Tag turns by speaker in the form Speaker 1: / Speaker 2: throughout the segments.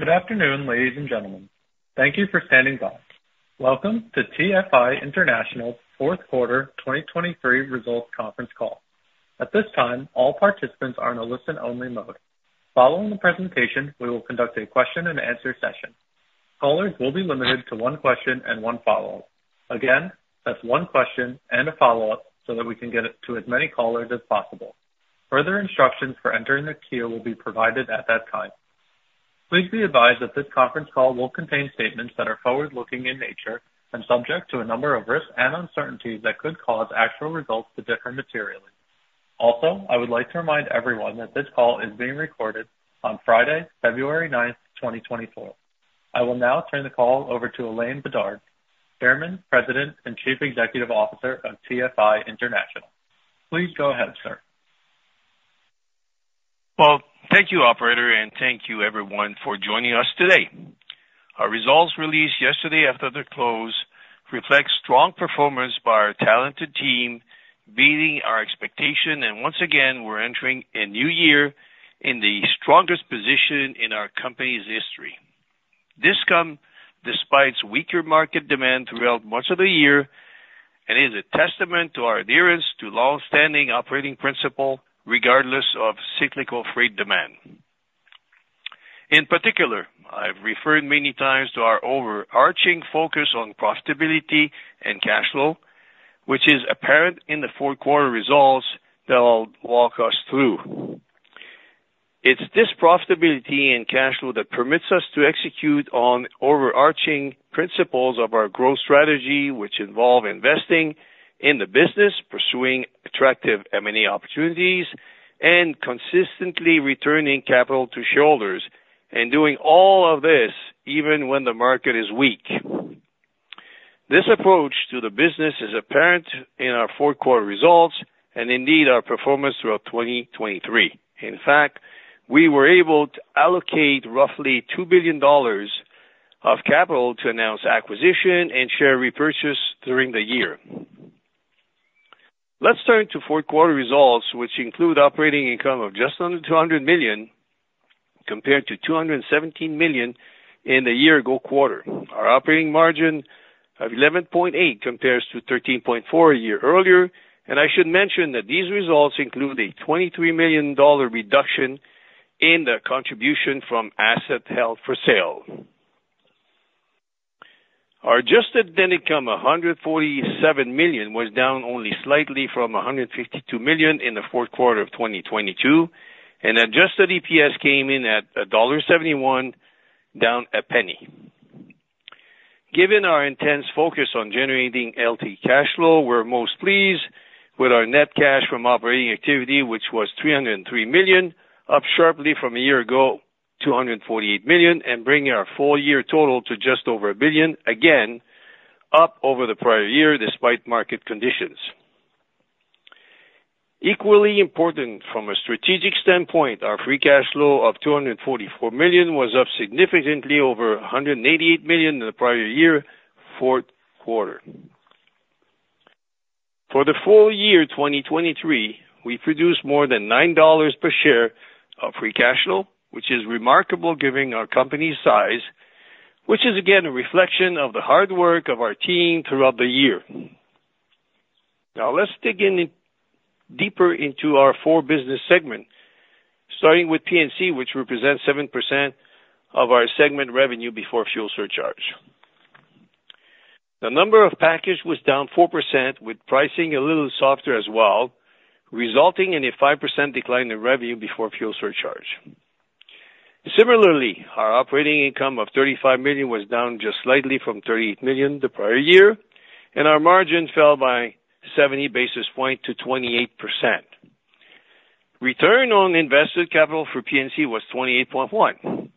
Speaker 1: Welcome to TFI International's Q4 2023 results conference call. Following the presentation, we will conduct a question-and-answer session. Callers will be limited to one question and one follow-up. Again, that's one question and a follow-up so that we can get it to as many callers as possible.. Please be advised that this conference call will contain statements that are forward-looking in nature and subject to a number of risks and uncertainties that could cause actual results to differ materially. Also, I would like to remind everyone that this call is being recorded on Friday, February 9th, 2024. I will now turn the call over to Alain Bédard, Chairman, President, and Chief Executive Officer of TFI International. Please go ahead, sir.
Speaker 2: Well, thank you, Operator, and thank you, everyone, for joining us today. Our results released yesterday after the close reflect strong performance by our talented team beating our expectation, and once again, we're entering a new year in the strongest position in our company's history. This comes despite weaker market demand throughout much of the year and is a testament to our adherence to long-standing operating principles regardless of cyclical freight demand. In particular, I've referred many times to our overarching focus on profitability and cash flow, which is apparent in the Q4 results that I'll walk us through. It's this profitability and cash flow that permits us to execute on overarching principles of our growth strategy, which involve investing in the business, pursuing attractive M&A opportunities, and consistently returning capital to shareholders, and doing all of this even when the market is weak. This approach to the business is apparent in our Q4 results and indeed our performance throughout 2023. In fact, we were able to allocate roughly $2 billion of capital to announce acquisition and share repurchase during the year. Let's turn to Q4 results, which include operating income of just under $200 million compared to $217 million in the year-ago quarter. Our operating margin of 11.8% compares to 13.4% a year earlier, and I should mention that these results include a $23 million reduction in the contribution from asset held for sale. Our adjusted net income of $147 million was down only slightly from $152 million in the Q4 of 2022, and adjusted EPS came in at $1.71, down $0.01. Given our intense focus on generating LT cash flow, we're most pleased with our net cash from operating activity, which was $303 million, up sharply from a year ago $248 million, and bringing our full-year total to just over $1 billion, again, up over the prior year despite market conditions. Equally important from a strategic standpoint, our free cash flow of $244 million was up significantly over $188 million in the prior year Q4. For the full year 2023, we produced more than $9 per share of free cash flow, which is remarkable given our company's size, which is again a reflection of the hard work of our team throughout the year. Now, let's dig deeper into our four business segments, starting with P&C, which represents 7% of our segment revenue before fuel surcharge. The number of packages was down 4% with pricing a little softer as well, resulting in a 5% decline in revenue before fuel surcharge. Similarly, our operating income of $35 million was down just slightly from $38 million the prior year, and our margin fell by 70 basis points to 28%. Return on invested capital for P&C was 28.1%.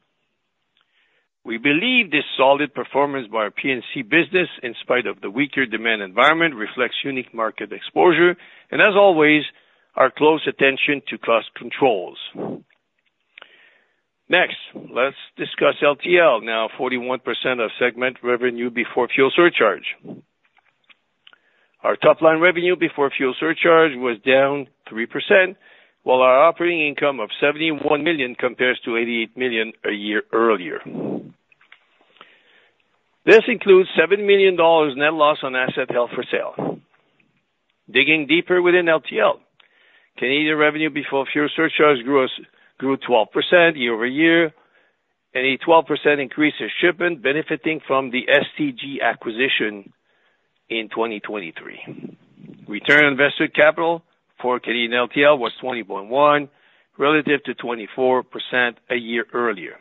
Speaker 2: We believe this solid performance by our P&C business in spite of the weaker demand environment reflects unique market exposure and, as always, our close attention to cost controls. Next, let's discuss LTL, now 41% of segment revenue before fuel surcharge. Our top-line revenue before fuel surcharge was down 3% while our operating income of $71 million compares to $88 million a year earlier. This includes $7 million net loss on asset held for sale. Digging deeper within LTL, Canadian revenue before fuel surcharge grew 12% year-over-year, and a 12% increase in shipments benefiting from the STG acquisition in 2023. Return on invested capital for Canadian LTL was 20.1% relative to 24% a year earlier.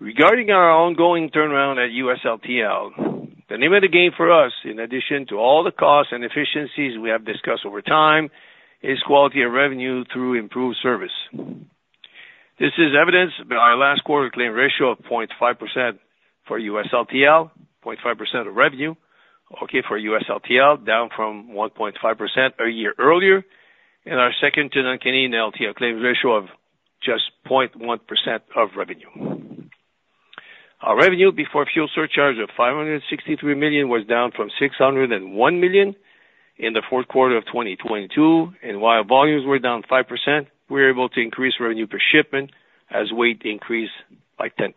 Speaker 2: Regarding our ongoing turnaround at U.S. LTL, the name of the game for us, in addition to all the costs and efficiencies we have discussed over time, is quality of revenue through improved service. This is evidenced by our last quarter claim ratio of 0.5% for U.S. LTL, 0.5% of revenue, okay, for U.S. LTL, down from 1.5% a year earlier, and our second-to-none Canadian LTL claims ratio of just 0.1% of revenue. Our revenue before fuel surcharge of $563 million was down from $601 million in the Q4 of 2022, and while volumes were down 5%, we were able to increase revenue per shipment as weight increased by 10%.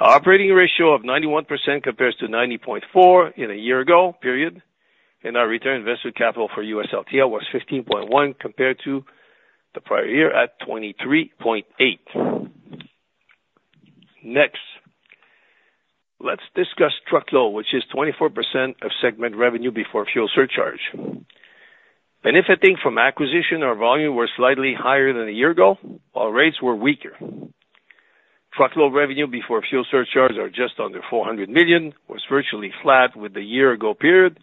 Speaker 2: Our operating ratio of 91% compares to 90.4% in a year-ago period, and our return on invested capital for U.S. LTL was 15.1% compared to the prior year at 23.8%. Next, let's discuss truckload, which is 24% of segment revenue before fuel surcharge. Benefiting from acquisition, our volumes were slightly higher than a year ago while rates were weaker. Truckload revenue before fuel surcharge are just under $400 million was virtually flat with the year-ago period,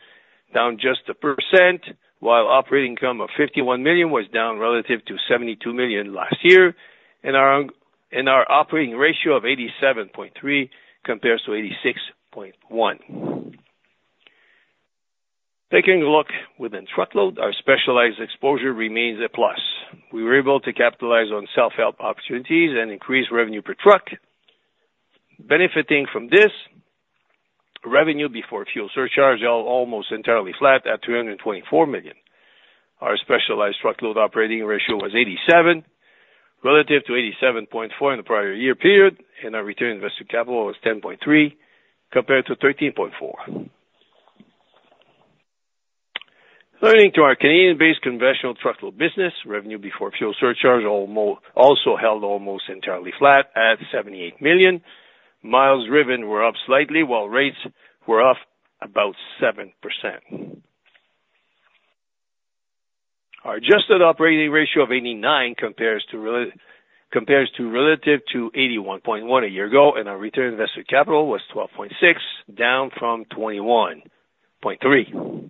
Speaker 2: down just 1% while operating income of $51 million was down relative to $72 million last year, and our operating ratio of 87.3% compares to 86.1%. Taking a look within truckload, our specialized exposure remains a plus. We were able to capitalize on self-help opportunities and increase revenue per truck. Benefiting from this, revenue before fuel surcharge are almost entirely flat at $324 million. Our specialized truckload operating ratio was 87% relative to 87.4% in the prior year, period, and our return on invested capital was 10.3% compared to 13.4%. Leaning to our Canadian-based conventional truckload business, revenue before fuel surcharge also held almost entirely flat at $78 million. Miles driven were up slightly while rates were up about 7%. Our adjusted operating ratio of 89% compares to 81.1% a year ago, and our return on invested capital was 12.6%, down from 21.3%.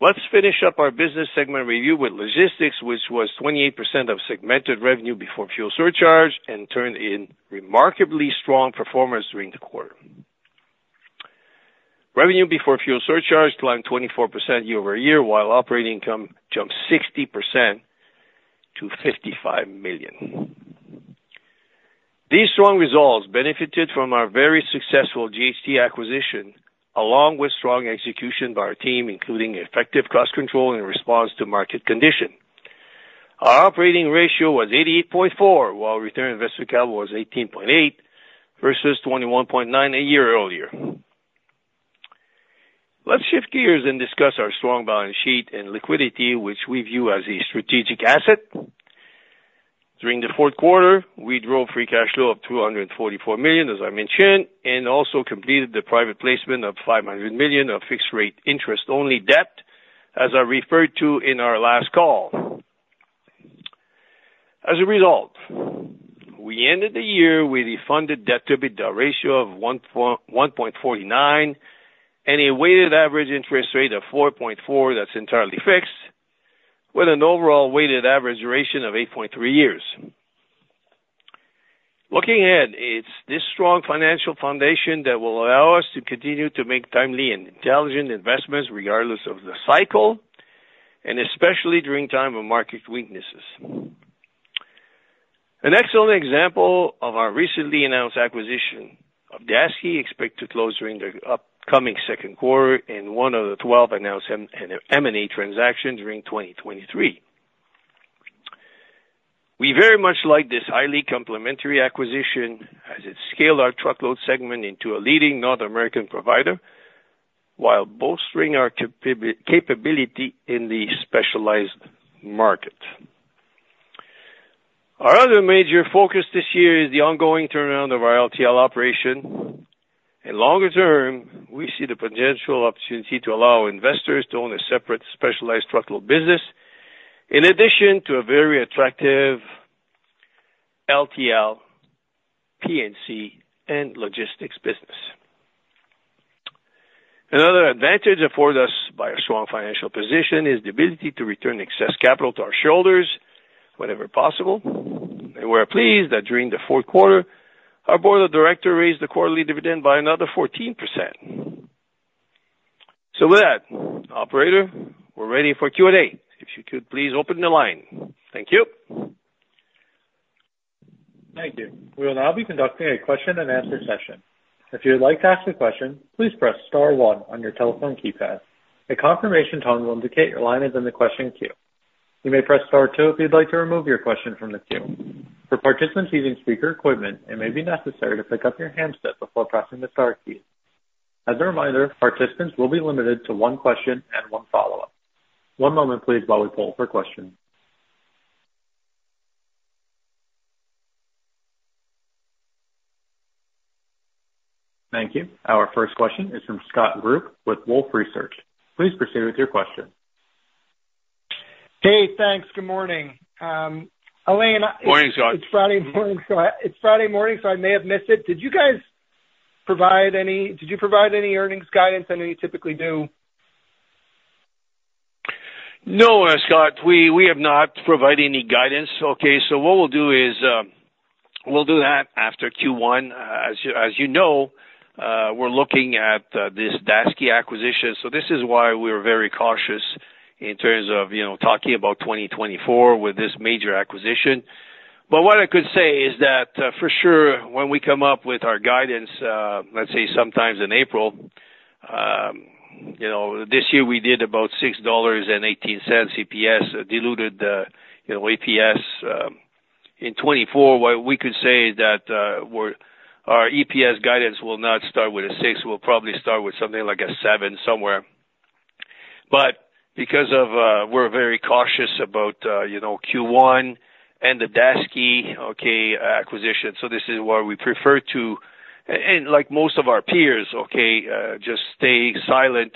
Speaker 2: Let's finish up our business segment review with logistics, which was 28% of segmented revenue before fuel surcharge and turned in remarkably strong performance during the quarter. Revenue before fuel surcharge climbed 24% year-over-year while operating income jumped 60% to $55 million. These strong results benefited from our very successful JHT acquisition along with strong execution by our team, including effective cost control in response to market condition. Our operating ratio was 88.4% while return on invested capital was 18.8% versus 21.9% a year earlier. Let's shift gears and discuss our strong balance sheet and liquidity, which we view as a strategic asset. During the Q4, we drove free cash flow of $244 million, as I mentioned, and also completed the private placement of $500 million of fixed-rate interest-only debt, as I referred to in our last call. As a result, we ended the year with a funded debt-to-EBITDA ratio of 1.49 and a weighted average interest rate of 4.4% that's entirely fixed, with an overall weighted average duration of 8.3 years. Looking ahead, it's this strong financial foundation that will allow us to continue to make timely and intelligent investments regardless of the cycle, and especially during times of market weaknesses. An excellent example of our recently announced acquisition of Daseke expects to close during the upcoming Q2 and one of the 12 announced M&A transactions during 2023. We very much like this highly complementary acquisition as it scaled our truckload segment into a leading North American provider while bolstering our capability in the specialized market. Our other major focus this year is the ongoing turnaround of our LTL operation, and longer term, we see the potential opportunity to allow investors to own a separate specialized truckload business in addition to a very attractive LTL, P&C, and logistics business. Another advantage afforded us by our strong financial position is the ability to return excess capital to our shareholders whenever possible, and we're pleased that during the Q4, our board of directors raised the quarterly dividend by another 14%. So with that, Operator, we're ready for Q&A. If you could please open the line. Thank you.
Speaker 1: Thank you. We will now be conducting a question-and-answer session. Our first question is from Scott Group with Wolfe Research. Please proceed with your question.
Speaker 3: Hey. Thanks. Good morning. Alain, it's Friday morning, so I may have missed it. Did you guys provide any earnings guidance? I know you typically do.
Speaker 2: No, Scott. We have not provided any guidance, okay. So what we'll do is we'll do that after Q1. As you know, we're looking at this Daseke acquisition, so this is why we're very cautious in terms of talking about 2024 with this major acquisition. But what I could say is that for sure, when we come up with our guidance, let's say sometime in April, this year we did about $6.18 diluted EPS. In 2024, what we could say is that our EPS guidance will not start with a 6. We'll probably start with something like a 7 somewhere. But because we're very cautious about Q1 and the Daseke acquisition, so this is why we prefer to, and like most of our peers, okay, just stay silent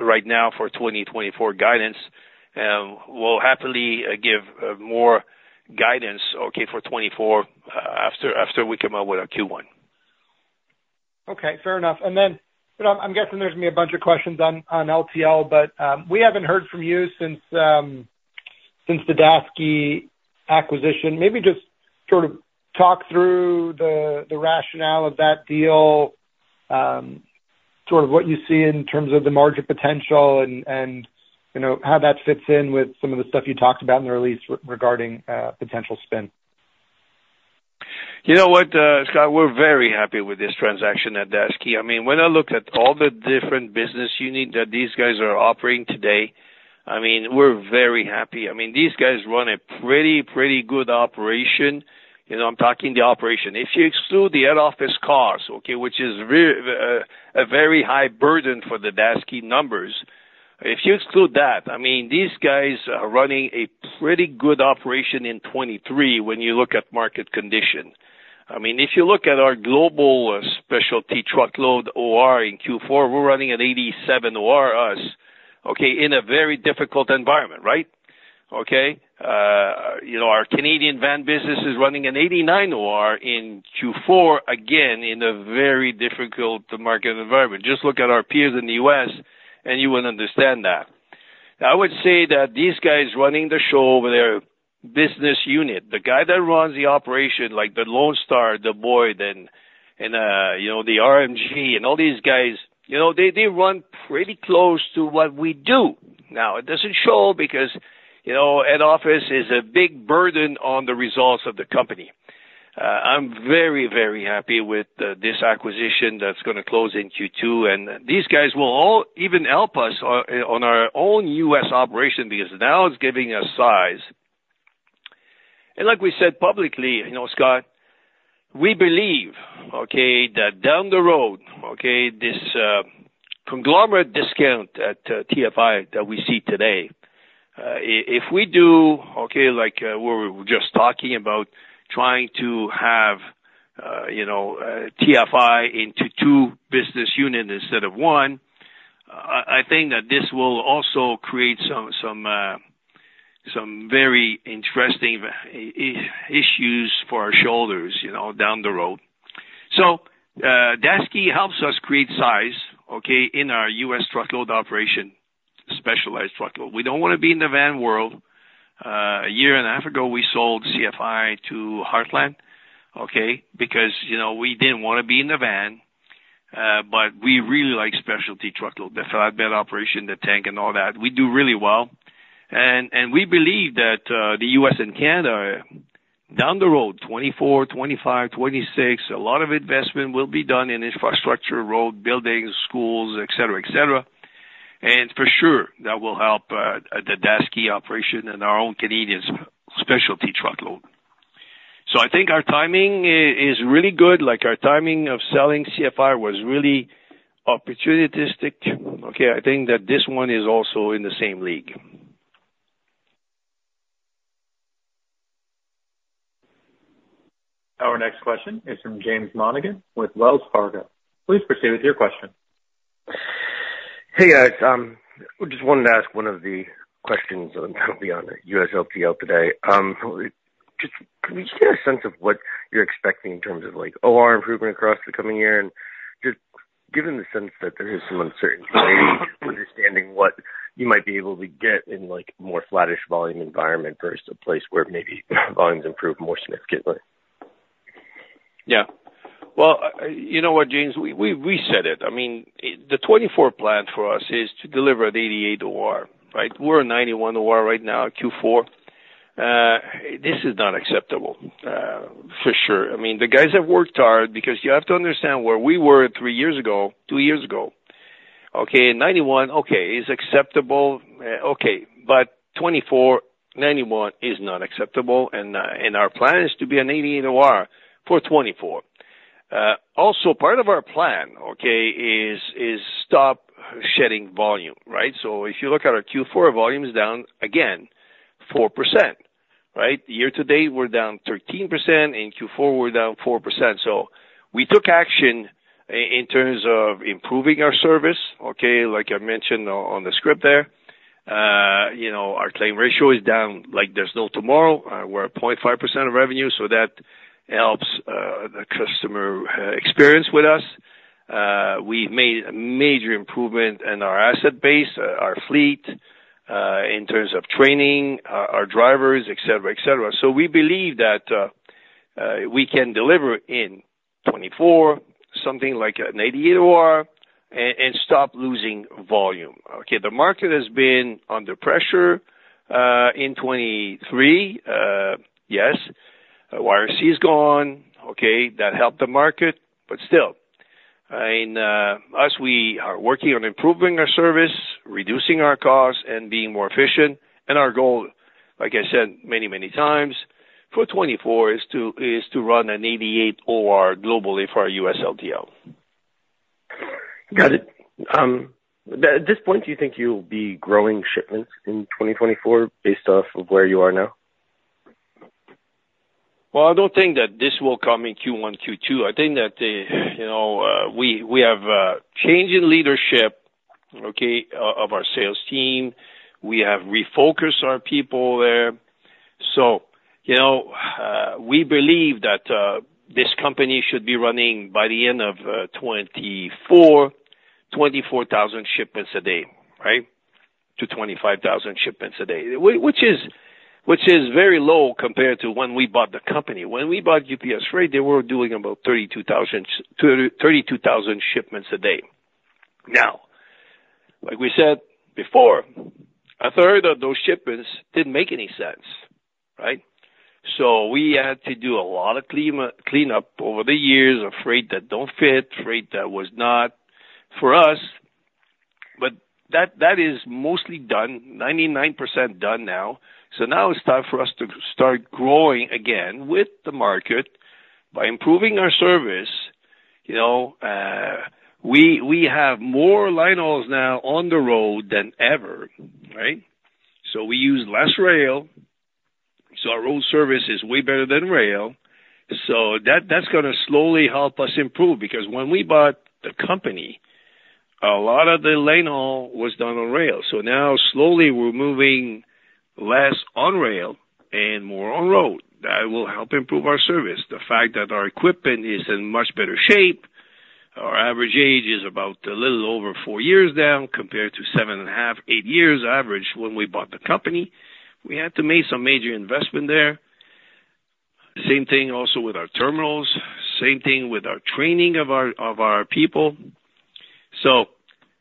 Speaker 2: right now for 2024 guidance. We'll happily give more guidance for 2024 after we come up with our Q1.
Speaker 3: Okay. Fair enough. And then I'm guessing there's going to be a bunch of questions on LTL, but we haven't heard from you since the Daseke acquisition. Maybe just sort of talk through the rationale of that deal, sort of what you see in terms of the margin potential and how that fits in with some of the stuff you talked about in the release regarding potential spin.
Speaker 2: You know what, Scott? We're very happy with this transaction at Daseke. I mean, when I look at all the different business units that these guys are operating today, I mean, we're very happy. I mean, these guys run a pretty, pretty good operation. I'm talking the operation. If you exclude the head office costs, okay, which is a very high burden for the Daseke numbers, if you exclude that, I mean, these guys are running a pretty good operation in 2023 when you look at market condition. I mean, if you look at our global specialty truckload OR in Q4, we're running an 87 OR, us, okay, in a very difficult environment, right? Okay? Our Canadian van business is running an 89 OR in Q4, again, in a very difficult market environment. Just look at our peers in the U.S., and you would understand that. I would say that these guys running the show with their business unit. The guy that runs the operation, like the Lone Star, the Boyd, and the RMG, and all these guys, they run pretty close to what we do. Now, it doesn't show because head office is a big burden on the results of the company. I'm very, very happy with this acquisition that's going to close in Q2, and these guys will even help us on our own U.S. operation because now it's giving us size. And like we said publicly, Scott, we believe, okay, that down the road, okay, this conglomerate discount at TFI that we see today, if we do, okay, like we were just talking about trying to have TFI into two business units instead of one, I think that this will also create some very interesting issues for our shareholders down the road. So Daseke helps us create size, okay, in our U.S. truckload operation, specialized truckload. We don't want to be in the van world. A year and a half ago, we sold CFI to Heartland, okay, because we didn't want to be in the van, but we really like specialty truckload, the flatbed operation, the tank, and all that. We do really well. And we believe that the U.S. and Canada, down the road, 2024, 2025, 2026, a lot of investment will be done in infrastructure, road, buildings, schools, etc., etc. And for sure, that will help the Daseke operation and our own Canadian specialty truckload. So I think our timing is really good. Our timing of selling CFI was really opportunistic, okay. I think that this one is also in the same league.
Speaker 1: Our next question is from James Monigan with Wells Fargo. Please proceed with your question.
Speaker 4: Hey, guys. I just wanted to ask one of the questions that will be on U.S. LTL today. Can we just get a sense of what you're expecting in terms of OR improvement across the coming year? Just given the sense that there is some uncertainty, maybe understanding what you might be able to get in a more flat-ish volume environment versus a place where maybe volumes improve more significantly.
Speaker 2: Yeah. Well, you know what, James? We said it. I mean, the 2024 plan for us is to deliver at 88 OR, right? We're at 91 OR right now at Q4. This is not acceptable, for sure. I mean, the guys have worked hard because you have to understand where we were three years ago, two years ago. Okay, 91, okay, is acceptable. Okay. But 2024, 91 is not acceptable, and our plan is to be an 88 OR for 2024. Also, part of our plan, okay, is stop shedding volume, right? So if you look at our Q4, volume's down, again, 4%, right? Year to date, we're down 13%. In Q4, we're down 4%. So we took action in terms of improving our service, okay, like I mentioned on the script there. Our claim ratio is down like there's no tomorrow. We're at 0.5% of revenue, so that helps the customer experience with us. We've made a major improvement in our asset base, our fleet in terms of training, our drivers, etc., etc. So we believe that we can deliver in 2024 something like an 88 OR and stop losing volume, okay. The market has been under pressure in 2023, yes. YRC is gone, okay. That helped the market, but still. And us, we are working on improving our service, reducing our costs, and being more efficient. And our goal, like I said many, many times for 2024, is to run an 88 OR globally for our U.S. LTL.
Speaker 4: Got it. At this point, do you think you'll be growing shipments in 2024 based off of where you are now?
Speaker 2: Well, I don't think that this will come in Q1, Q2. I think that we have a change in leadership, okay, of our sales team. We have refocused our people there. So we believe that this company should be running by the end of 2024, 24,000-25,000 shipments a day, right, which is very low compared to when we bought the company. When we bought UPS Freight, they were doing about 32,000 shipments a day. Now, like we said before, a third of those shipments didn't make any sense, right? So we had to do a lot of cleanup over the years, of freight that don't fit, freight that was not for us. But that is mostly done, 99% done now. So now it's time for us to start growing again with the market by improving our service. We have more line hauls now on the road than ever, right? So we use less rail. So our road service is way better than rail. So that's going to slowly help us improve because when we bought the company, a lot of the line haul was done on rail. So now, slowly, we're moving less on rail and more on road. That will help improve our service. The fact that our equipment is in much better shape, our average age is about a little over four years now compared to 7.5-8 years average when we bought the company. We had to make some major investment there. Same thing also with our terminals. Same thing with our training of our people.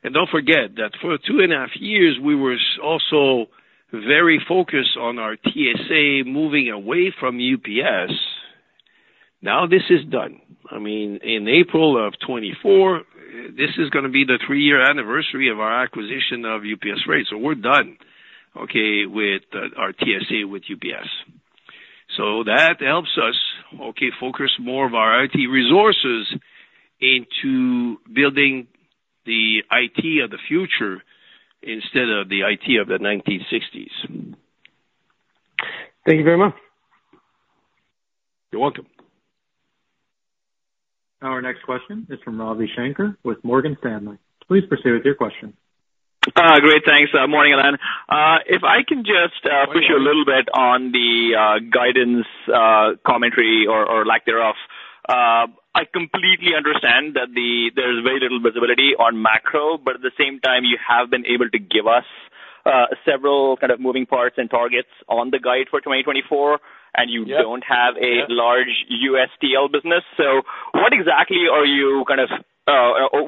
Speaker 2: And don't forget that for 2.5 years, we were also very focused on our TSA moving away from UPS. Now, this is done. I mean, in April of 2024, this is going to be the three-year anniversary of our acquisition of UPS Freight. So we're done, okay, with our TSA with UPS. So that helps us, okay, focus more of our IT resources into building the IT of the future instead of the IT of the 1960s.
Speaker 4: Thank you very much.
Speaker 2: You're welcome.
Speaker 1: Our next question is from Ravi Shanker with Morgan Stanley. Please proceed with your question.
Speaker 5: Great. Thanks. Morning, Alain. If I can just push you a little bit on the guidance commentary or lack thereof, I completely understand that there's very little visibility on macro, but at the same time, you have been able to give us several kind of moving parts and targets on the guide for 2024, and you don't have a large U.S. TL business. So what exactly are you kind of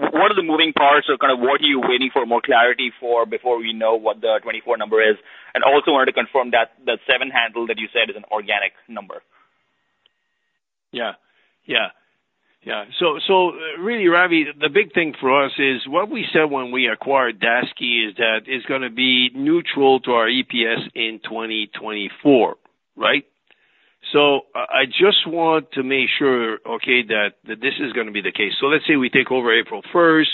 Speaker 5: what are the moving parts or kind of what are you waiting for more clarity for before we know what the 2024 number is? And also wanted to confirm that the seven handle that you said is an organic number.
Speaker 2: Yeah. Yeah. Yeah. So really, Ravi, the big thing for us is what we said when we acquired Daseke is that it's going to be neutral to our EPS in 2024, right? So I just want to make sure, okay, that this is going to be the case. So let's say we take over April 1st.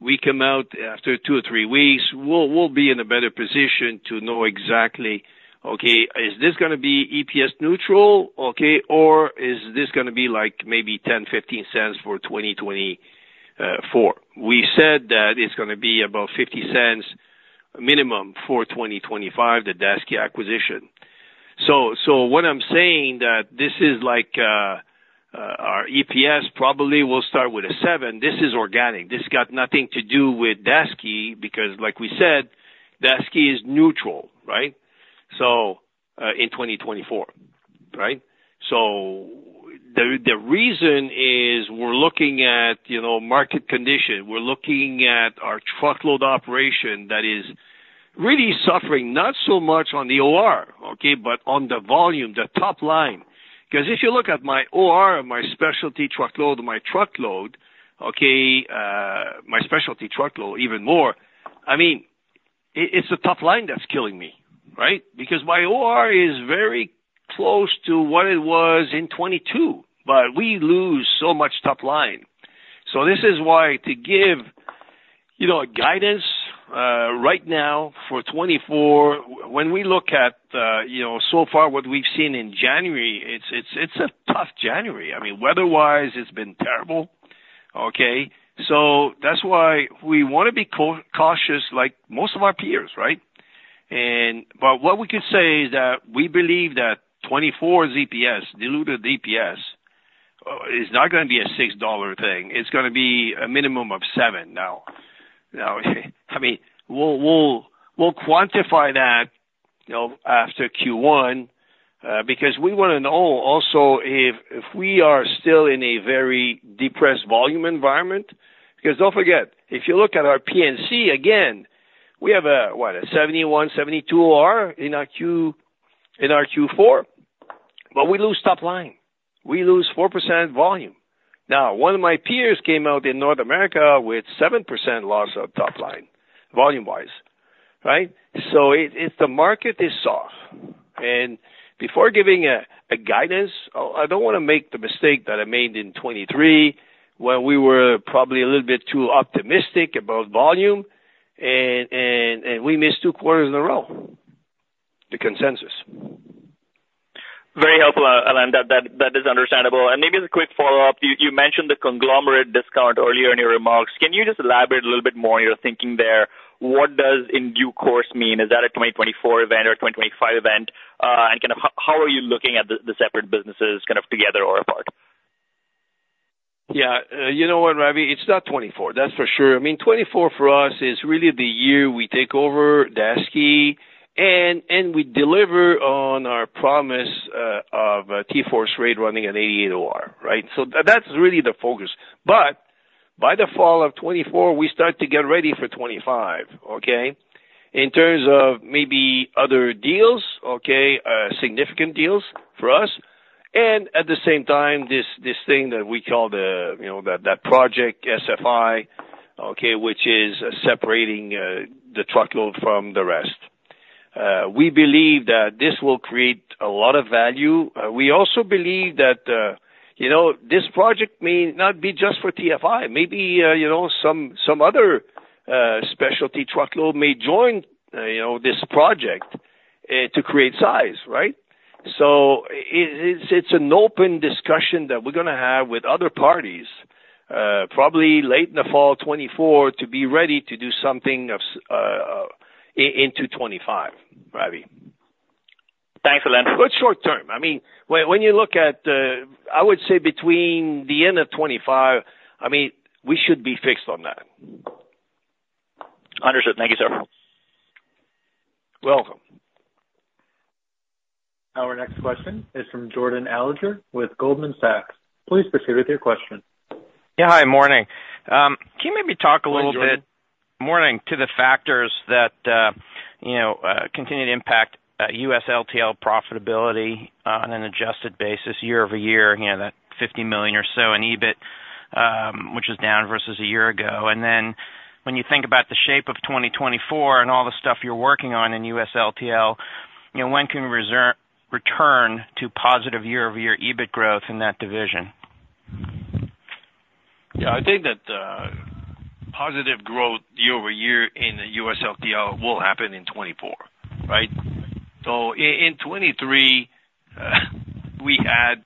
Speaker 2: We come out after two or three weeks. We'll be in a better position to know exactly, okay, is this going to be EPS neutral, okay, or is this going to be like maybe $0.10-$0.15 for 2024? We said that it's going to be about $0.50 minimum for 2025, the Daseke acquisition. So what I'm saying that this is like our EPS probably will start with a seven. This is organic. This got nothing to do with Daseke because, like we said, Daseke is neutral, right, in 2024, right? So the reason is we're looking at market condition. We're looking at our truckload operation that is really suffering not so much on the OR, okay, but on the volume, the top line. Because if you look at my OR, my specialty truckload, my truckload, okay, my specialty truckload even more, I mean, it's the top line that's killing me, right, because my OR is very close to what it was in 2022, but we lose so much top line. So this is why, to give guidance right now for 2024, when we look at so far what we've seen in January, it's a tough January. I mean, weather-wise, it's been terrible, okay. So that's why we want to be cautious like most of our peers, right? But what we could say is that we believe that 2024's EPS, diluted EPS, is not going to be a $6 thing. It's going to be a minimum of seven now. Now, I mean, we'll quantify that after Q1 because we want to know also if we are still in a very depressed volume environment because don't forget, if you look at our P&C, again, we have a 71-72 OR in our Q4, but we lose top line. We lose 4% volume. Now, one of my peers came out in North America with 7% loss of top line volume-wise, right? So the market is soft. Before giving a guidance, I don't want to make the mistake that I made in 2023 when we were probably a little bit too optimistic about volume, and we missed two quarters in a row, the consensus.
Speaker 5: Very helpful, Alain. That is understandable. And maybe as a quick follow-up, you mentioned the conglomerate discount earlier in your remarks. Can you just elaborate a little bit more on your thinking there? What does in due course mean? Is that a 2024 event or a 2025 event? And kind of how are you looking at the separate businesses kind of together or apart?
Speaker 2: Yeah. You know what, Ravi? It's not 2024. That's for sure. I mean, 2024 for us is really the year we take over Daseke, and we deliver on our promise of TForce Freight running at 88 OR, right? So that's really the focus. But by the fall of 2024, we start to get ready for 2025, okay, in terms of maybe other deals, okay, significant deals for us. And at the same time, this thing that we call the project SFI, okay, which is separating the truckload from the rest. We believe that this will create a lot of value. We also believe that this project may not be just for TFI. Maybe some other specialty truckload may join this project to create size, right? It's an open discussion that we're going to have with other parties probably late in the fall 2024 to be ready to do something into 2025, Ravi.
Speaker 5: Thanks, Alain.
Speaker 2: But short term. I mean, when you look at the, I would say, between the end of 2025, I mean, we should be fixed on that.
Speaker 5: Understood. Thank you, sir.
Speaker 2: Welcome.
Speaker 1: Our next question is from Jordan Alliger with Goldman Sachs. Please proceed with your question.
Speaker 6: Yeah. Hi. Morning. Can you maybe talk a little bit?
Speaker 2: Hi, Jordan.
Speaker 6: Morning to the factors that continue to impact U.S. LTL profitability on an adjusted basis, year-over-year, that $50 million or so in EBIT, which is down versus a year ago? And then when you think about the shape of 2024 and all the stuff you're working on in U.S. LTL, when can we return to positive year-over-year EBIT growth in that division?
Speaker 2: Yeah. I think that positive growth year-over-year in the U.S. LTL will happen in 2024, right? So in 2023, we had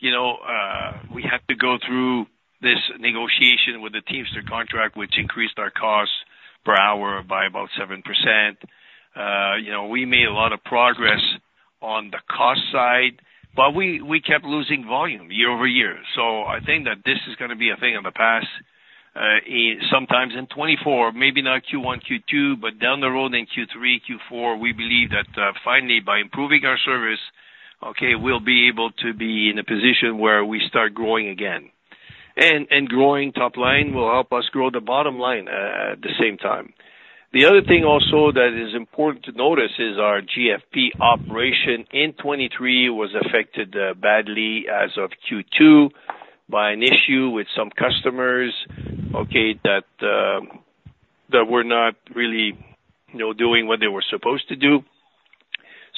Speaker 2: to go through this negotiation with the Teamster contract, which increased our cost per hour by about 7%. We made a lot of progress on the cost side, but we kept losing volume year-over-year. So I think that this is going to be a thing of the past sometimes in 2024, maybe not Q1, Q2, but down the road in Q3, Q4, we believe that finally, by improving our service, okay, we'll be able to be in a position where we start growing again. And growing top line will help us grow the bottom line at the same time. The other thing also that is important to notice is our GFP operation in 2023 was affected badly as of Q2 by an issue with some customers, okay, that were not really doing what they were supposed to do.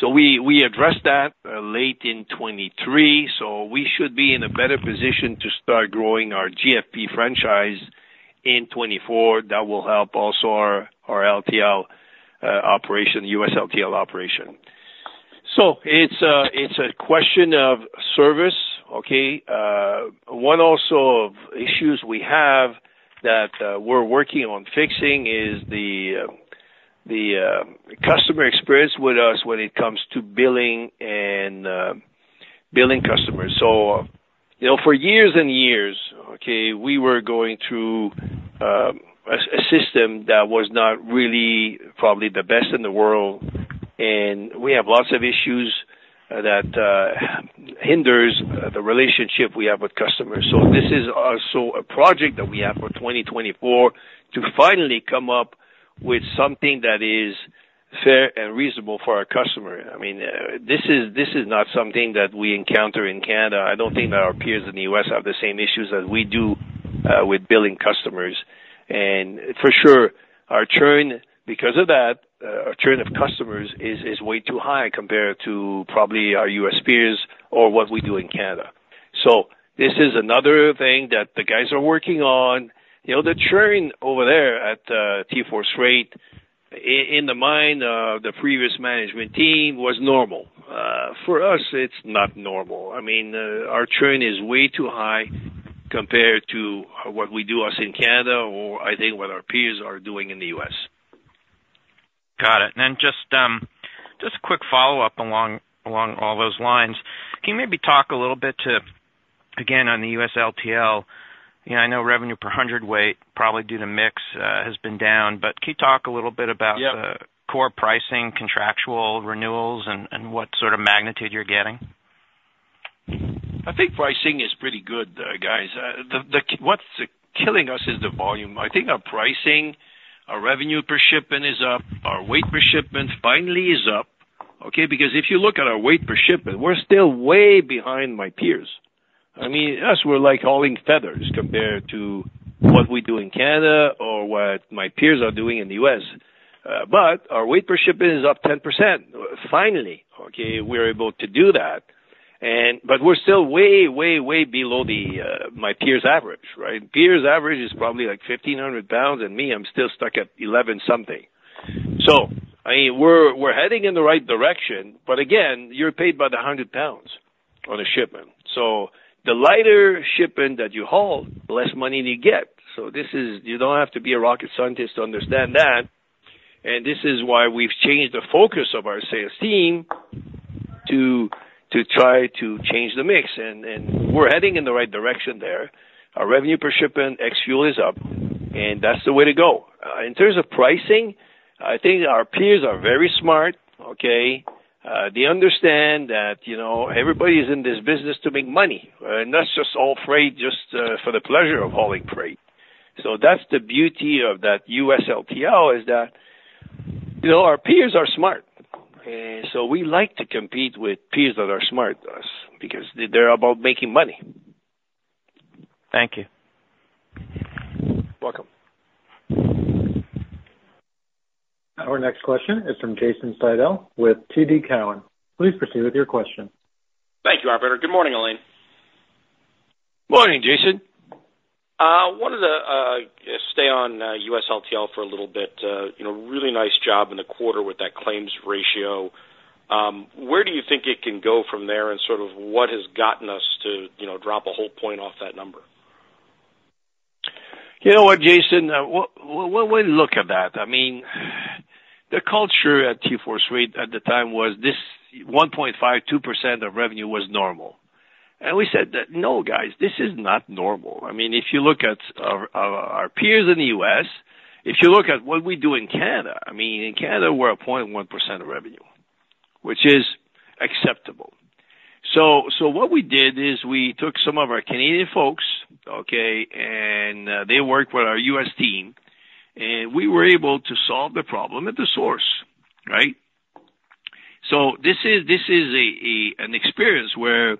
Speaker 2: So we addressed that late in 2023. So we should be in a better position to start growing our GFP franchise in 2024. That will help also our LTL operation, U.S. LTL operation. So it's a question of service, okay. One also of issues we have that we're working on fixing is the customer experience with us when it comes to billing customers. So for years and years, okay, we were going through a system that was not really probably the best in the world. And we have lots of issues that hinders the relationship we have with customers. So this is also a project that we have for 2024 to finally come up with something that is fair and reasonable for our customer. I mean, this is not something that we encounter in Canada. I don't think that our peers in the U.S. have the same issues as we do with billing customers. And for sure, our churn because of that, our churn of customers is way too high compared to probably our U.S. peers or what we do in Canada. So this is another thing that the guys are working on. The churn over there at TForce Freight, in the mind of the previous management team, was normal. For us, it's not normal. I mean, our churn is way too high compared to what we do in Canada or I think what our peers are doing in the U.S.
Speaker 6: Got it. Then just a quick follow-up along all those lines, can you maybe talk a little bit to again, on the U.S. LTL, I know revenue per hundredweight, probably due to mix, has been down, but can you talk a little bit about core pricing, contractual renewals, and what sort of magnitude you're getting?
Speaker 2: I think pricing is pretty good, guys. What's killing us is the volume. I think our pricing, our revenue per shipment is up. Our weight per shipment finally is up, okay, because if you look at our weight per shipment, we're still way behind my peers. I mean, us, we're like hauling feathers compared to what we do in Canada or what my peers are doing in the U.S. But our weight per shipment is up 10% finally. Okay, we're able to do that. But we're still way, way, way below my peers' average, right? Peers' average is probably like 1,500 pounds, and me, I'm still stuck at 11 something. So I mean, we're heading in the right direction, but again, you're paid by the 100 pounds on a shipment. So the lighter shipment that you haul, less money you get. So you don't have to be a rocket scientist to understand that. And this is why we've changed the focus of our sales team to try to change the mix. And we're heading in the right direction there. Our revenue per shipment ex-fuel is up, and that's the way to go. In terms of pricing, I think our peers are very smart, okay? They understand that everybody is in this business to make money, and that's just all freight just for the pleasure of hauling freight. So that's the beauty of that U.S. LTL is that our peers are smart. And so we like to compete with peers that are smart because they're about making money.
Speaker 6: Thank you.
Speaker 2: Welcome.
Speaker 1: Our next question is from Jason Seidl with TD Cowen. Please proceed with your question.
Speaker 7: Thank you, operator. Good morning, Alain.
Speaker 2: Morning, Jason.
Speaker 7: Let's stay on U.S. LTL for a little bit, really nice job in the quarter with that claims ratio. Where do you think it can go from there, and sort of what has gotten us to drop a whole point off that number?
Speaker 2: You know what, Jason? When we look at that, I mean, the culture at TForce Freight at the time was this 1.5%-2% of revenue was normal. And we said that, no, guys. This is not normal. I mean, if you look at our peers in the U.S., if you look at what we do in Canada, I mean, in Canada, we're at 0.1% of revenue, which is acceptable. So what we did is we took some of our Canadian folks, okay, and they worked with our US team, and we were able to solve the problem at the source, right? So this is an experience where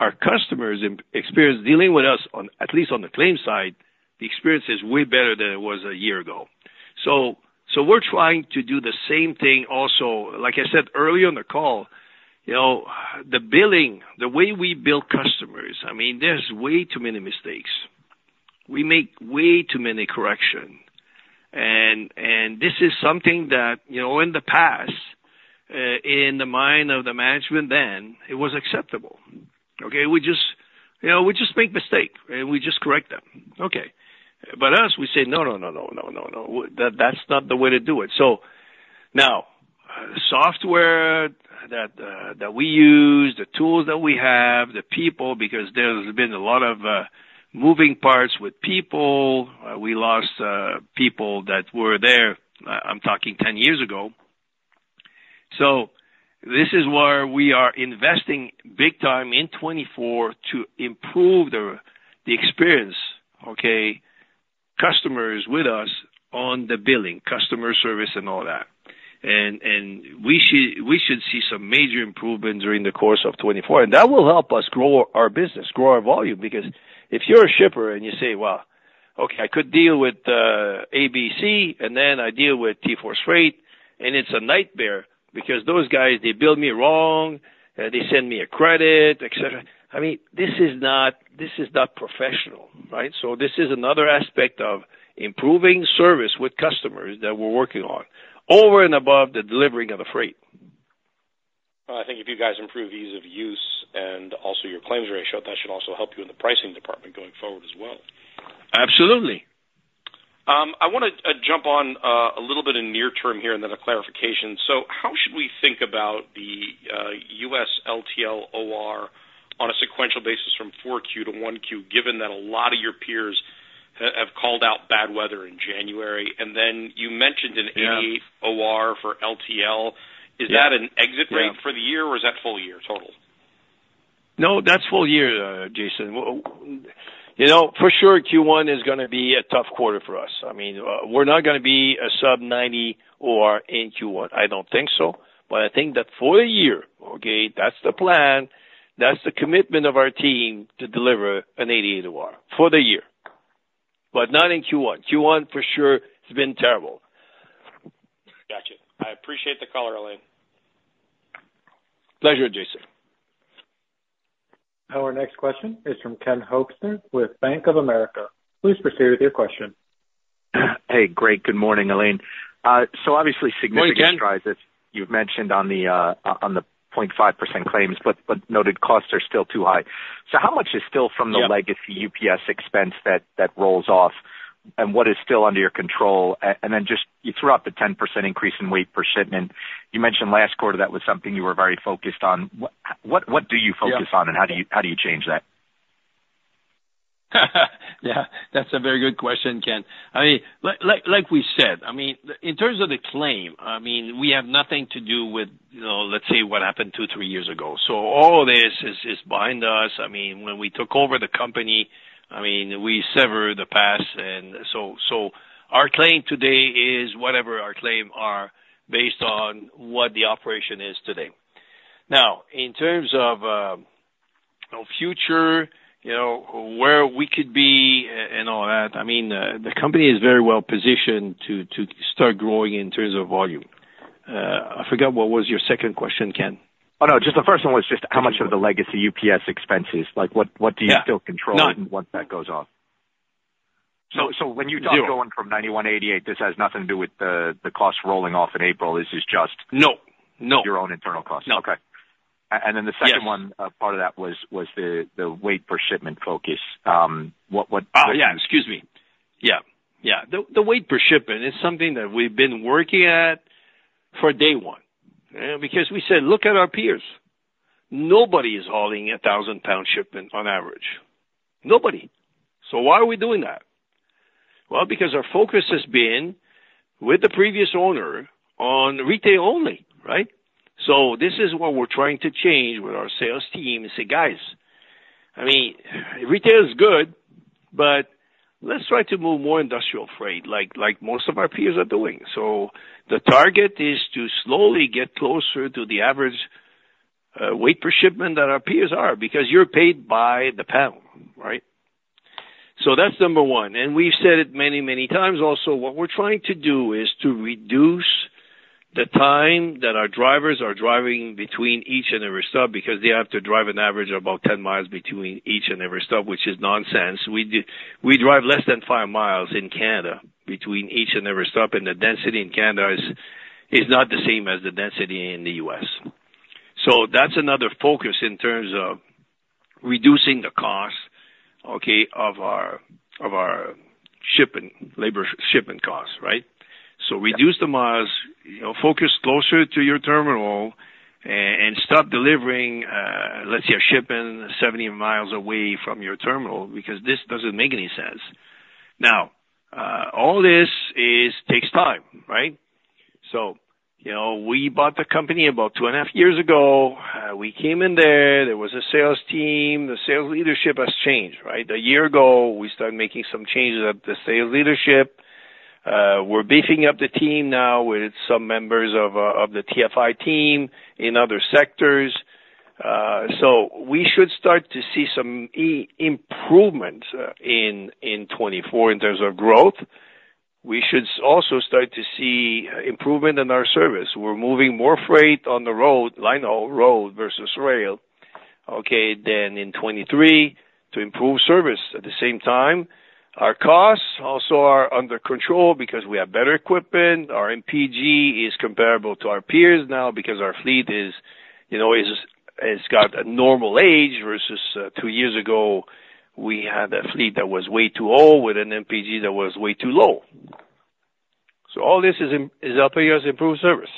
Speaker 2: our customers' experience dealing with us, at least on the claim side, the experience is way better than it was a year ago. So we're trying to do the same thing also. Like I said earlier on the call, the billing, the way we bill customers, I mean, there's way too many mistakes. We make way too many corrections. And this is something that in the past, in the mind of the management then, it was acceptable, okay. We just make mistakes, and we just correct them, okay. But us, we say, no, no, no, no, no, no, no. That's not the way to do it. So now, software that we use, the tools that we have, the people, because there's been a lot of moving parts with people. We lost people that were there. I'm talking 10 years ago. So this is where we are investing big time in 2024 to improve the experience, okay, customers with us on the billing, customer service, and all that. We should see some major improvements during the course of 2024, and that will help us grow our business, grow our volume because if you're a shipper and you say, well, okay, I could deal with ABC, and then I deal with TForce Freight, and it's a nightmare because those guys, they bill me wrong, they send me a credit, etc., I mean, this is not professional, right? So this is another aspect of improving service with customers that we're working on over and above the delivering of the freight.
Speaker 7: Well, I think if you guys improve ease of use and also your claims ratio, that should also help you in the pricing department going forward as well.
Speaker 2: Absolutely.
Speaker 7: I want to jump on a little bit in near-term here and then a clarification. So how should we think about the U.S. LTL OR on a sequential basis from 4Q to 1Q, given that a lot of your peers have called out bad weather in January? And then you mentioned an 88 OR for LTL. Is that an exit rate for the year, or is that full year total?
Speaker 2: No, that's full year, Jason. For sure, Q1 is going to be a tough quarter for us. I mean, we're not going to be a sub-90 OR in Q1. I don't think so. But I think that for the year, okay, that's the plan. That's the commitment of our team to deliver an 88 OR for the year, but not in Q1. Q1, for sure, it's been terrible.
Speaker 5: Gotcha. I appreciate the call, Alain.
Speaker 2: Pleasure, Jason.
Speaker 1: Our next question is from Ken Hoexter with Bank of America. Please proceed with your question.
Speaker 8: Hey, great. Good morning, Alain. So obviously, significant strides that you've mentioned on the 0.5% claims, but noted costs are still too high. So how much is still from the legacy UPS expense that rolls off, and what is still under your control? And then just throughout the 10% increase in weight per shipment, you mentioned last quarter that was something you were very focused on. What do you focus on, and how do you change that?
Speaker 2: Yeah. That's a very good question, Ken. I mean, like we said, I mean, in terms of the claim, I mean, we have nothing to do with, let's say, what happened two, three years ago. So all of this is behind us. I mean, when we took over the company, I mean, we severed the past. And so our claim today is whatever our claims are based on what the operation is today. Now, in terms of future, where we could be and all that, I mean, the company is very well positioned to start growing in terms of volume. I forgot what was your second question, Ken.
Speaker 8: Oh, no. Just the first one was just how much of the legacy UPS expense is. What do you still control once that goes off?
Speaker 2: No.
Speaker 8: So when you talk going from 91, 88, this has nothing to do with the costs rolling off in April. This is just.
Speaker 2: No. No.
Speaker 8: Your own internal costs. Okay. And then the second part of that was the weight per shipment focus. What?
Speaker 2: The weight per shipment is something that we've been working at for day one because we said, look at our peers. Nobody is hauling 1,000-pound shipment on average. Nobody. So why are we doing that? Well, because our focus has been with the previous owner on retail only, right? So this is what we're trying to change with our sales team and say, guys, I mean, retail is good, but let's try to move more industrial freight like most of our peers are doing. So the target is to slowly get closer to the average weight per shipment that our peers are because you're paid by the pound, right? So that's number one. And we've said it many, many times. Also, what we're trying to do is to reduce the time that our drivers are driving between each and every stop because they have to drive an average of about 10 miles between each and every stop, which is nonsense. We drive less than five miles in Canada between each and every stop, and the density in Canada is not the same as the density in the U.S. So that's another focus in terms of reducing the cost, okay, of our shipment, labor shipment costs, right? So reduce the miles, focus closer to your terminal, and stop delivering, let's say, a shipment 70 miles away from your terminal because this doesn't make any sense. Now, all this takes time, right? So we bought the company about two and a half years ago. We came in there. There was a sales team. The sales leadership has changed, right? A year ago, we started making some changes at the sales leadership. We're beefing up the team now with some members of the TFI team in other sectors. So we should start to see some improvements in 2024 in terms of growth. We should also start to see improvement in our service. We're moving more freight on the road, line road versus rail, okay, than in 2023 to improve service at the same time. Our costs also are under control because we have better equipment. Our MPG is comparable to our peers now because our fleet has got a normal age versus two years ago, we had a fleet that was way too old with an MPG that was way too low. So all this is helping us improve service.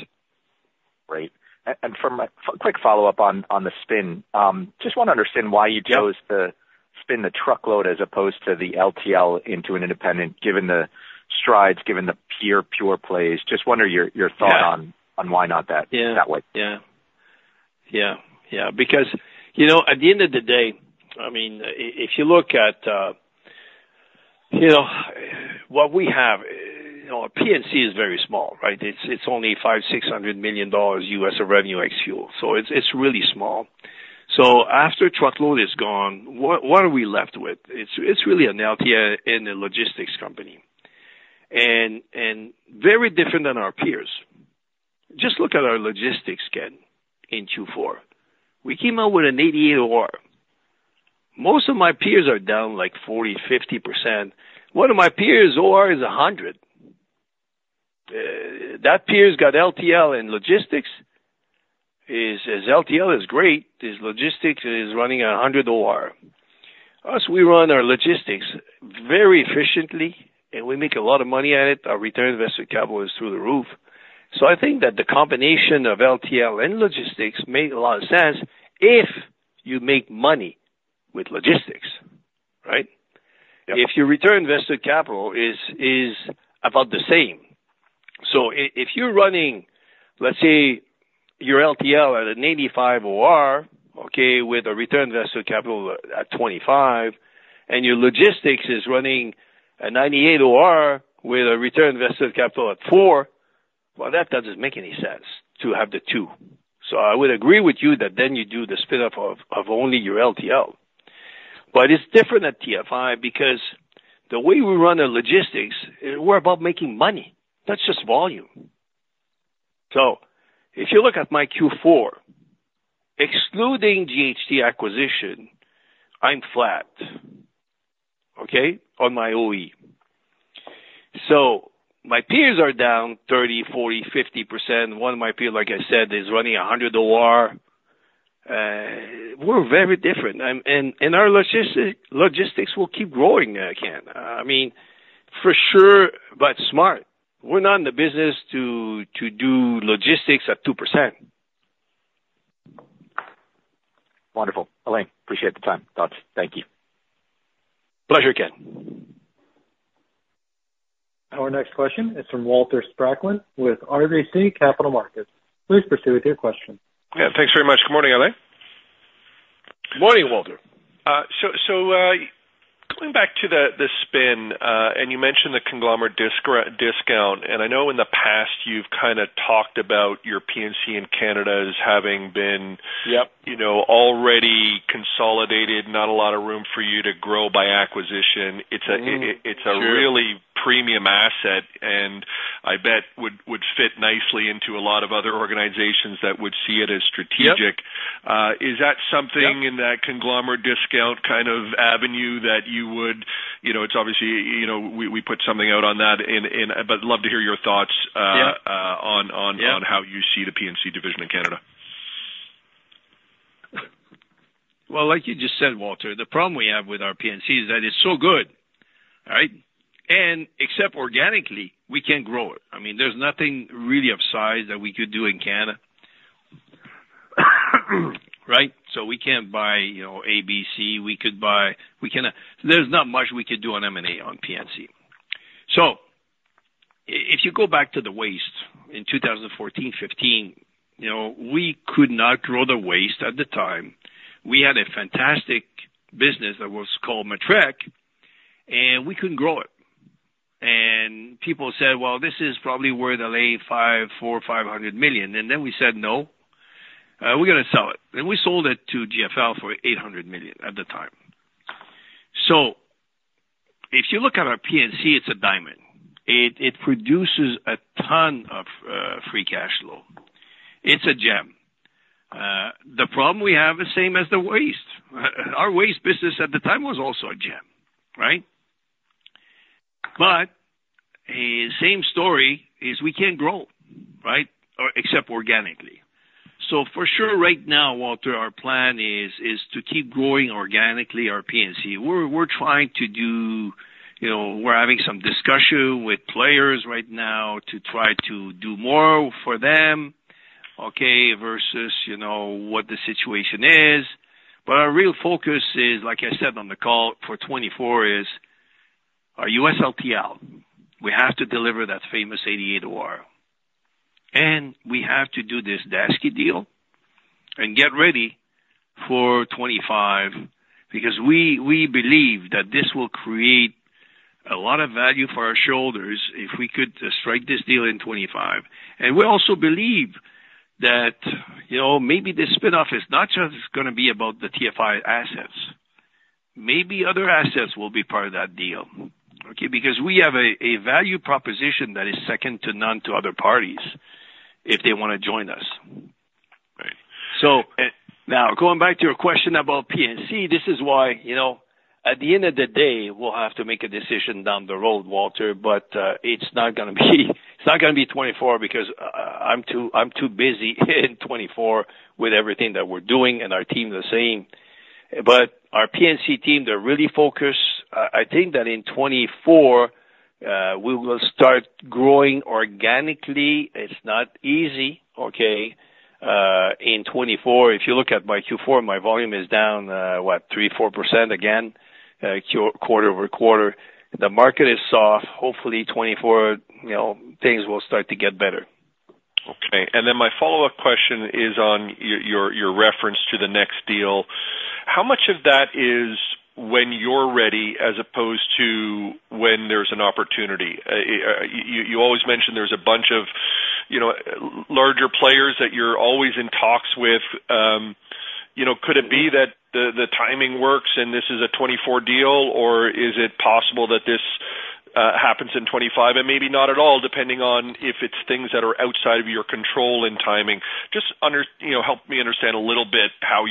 Speaker 8: Great. For a quick follow-up on the spin, just want to understand why you chose to spin the truckload as opposed to the LTL into an independent, given the strides, given the pure plays. Just wonder your thought on why not that way.
Speaker 2: Yeah. Yeah. Yeah. Yeah. Because at the end of the day, I mean, if you look at what we have, P&C is very small, right? It's only $500-$600 million of revenue ex-fuel. So it's really small. So after truckload is gone, what are we left with? It's really an LTL in a logistics company and very different than our peers. Just look at our logistics, Ken, in Q4. We came out with an 88 OR. Most of my peers are down like 40%-50%. One of my peers' OR is 100. That peer's got LTL in logistics. His LTL is great. His logistics is running 100 OR. Us, we run our logistics very efficiently, and we make a lot of money at it. Our return invested capital is through the roof. So I think that the combination of LTL and logistics made a lot of sense if you make money with logistics, right? If your return invested capital is about the same. So if you're running, let's say, your LTL at an 85 OR, okay, with a return invested capital at 25, and your logistics is running a 98 OR with a return invested capital at 4, well, that doesn't make any sense to have the two. So I would agree with you that then you do the spin-off of only your LTL. But it's different at TFI because the way we run our logistics, we're about making money. That's just volume. So if you look at my Q4, excluding JHT acquisition, I'm flat, okay, on my OE. So my peers are down 30%, 40%, 50%. One of my peers, like I said, is running 100 OR. We're very different. And our logistics will keep growing, Ken. I mean, for sure, but smart. We're not in the business to do logistics at 2%.
Speaker 8: Wonderful. Alain, appreciate the time, thoughts. Thank you.
Speaker 2: Pleasure, Ken.
Speaker 1: Our next question is from Walter Spracklin with RBC Capital Markets. Please proceed with your question.
Speaker 9: Yeah. Thanks very much. Good morning, Alain.
Speaker 2: Morning, Walter.
Speaker 9: So going back to the spin, and you mentioned the conglomerate discount. I know in the past, you've kind of talked about your P&C in Canada as having been already consolidated, not a lot of room for you to grow by acquisition. It's a really premium asset, and I bet would fit nicely into a lot of other organizations that would see it as strategic. Is that something in that conglomerate discount kind of avenue that you would—it's obviously we put something out on that, but love to hear your thoughts on how you see the P&C division in Canada.
Speaker 2: Well, like you just said, Walter, the problem we have with our P&C is that it's so good, right? Except organically, we can't grow it. I mean, there's nothing really of size that we could do in Canada, right? So we can't buy ABC. We can't; there's not much we could do on M&A on P&C. So if you go back to the waste in 2014, 2015, we could not grow the waste at the time. We had a fantastic business that was called Matrec, and we couldn't grow it. And people said, well, this is probably worth, they'll say, $400 million-$500 million. And then we said, no, we're going to sell it. And we sold it to GFL for $800 million at the time. So if you look at our P&C, it's a diamond. It produces a ton of free cash flow. It's a gem. The problem we have is the same as the waste. Our waste business at the time was also a gem, right? But same story is we can't grow, right, except organically. So for sure, right now, Walter, our plan is to keep growing organically, our P&C. We're trying to do. We're having some discussion with players right now to try to do more for them, okay, versus what the situation is. But our real focus is, like I said on the call for 2024, is our U.S. LTL. We have to deliver that famous 88 OR. And we have to do this Daseke deal and get ready for 2025 because we believe that this will create a lot of value for our shareholders if we could strike this deal in 2025. And we also believe that maybe this spin-off is not just going to be about the TFI assets. Maybe other assets will be part of that deal, okay, because we have a value proposition that is second to none to other parties if they want to join us.
Speaker 9: Right.
Speaker 2: So now, going back to your question about P&C, this is why at the end of the day, we'll have to make a decision down the road, Walter, but it's not going to be it's not going to be 2024 because I'm too busy in 2024 with everything that we're doing and our team the same. But our P&C team, they're really focused. I think that in 2024, we will start growing organically. It's not easy, okay, in 2024. If you look at my Q4, my volume is down, what, 3%-4% again quarter-over-quarter. The market is soft. Hopefully, 2024, things will start to get better.
Speaker 9: Okay. And then my follow-up question is on your reference to the next deal. How much of that is when you're ready as opposed to when there's an opportunity? You always mentioned there's a bunch of larger players that you're always in talks with. Could it be that the timing works and this is a 2024 deal, or is it possible that this happens in 2025 and maybe not at all, depending on if it's things that are outside of your control in timing? Just help me understand a little bit how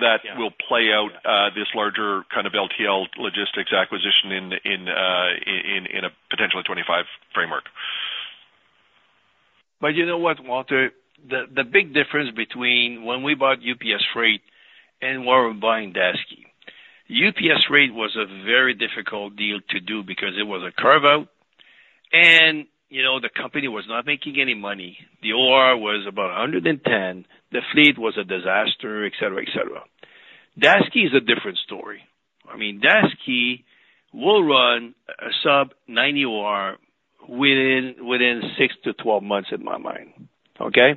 Speaker 9: that will play out, this larger kind of LTL logistics acquisition in a potentially 2025 framework.
Speaker 2: But you know what, Walter? The big difference between when we bought UPS Freight and when we were buying Daseke, UPS Freight was a very difficult deal to do because it was a carve-out, and the company was not making any money. The OR was about 110. The fleet was a disaster, etc., etc. Daseke is a different story. I mean, Daseke will run a sub-90 OR within 6-12 months in my mind, okay?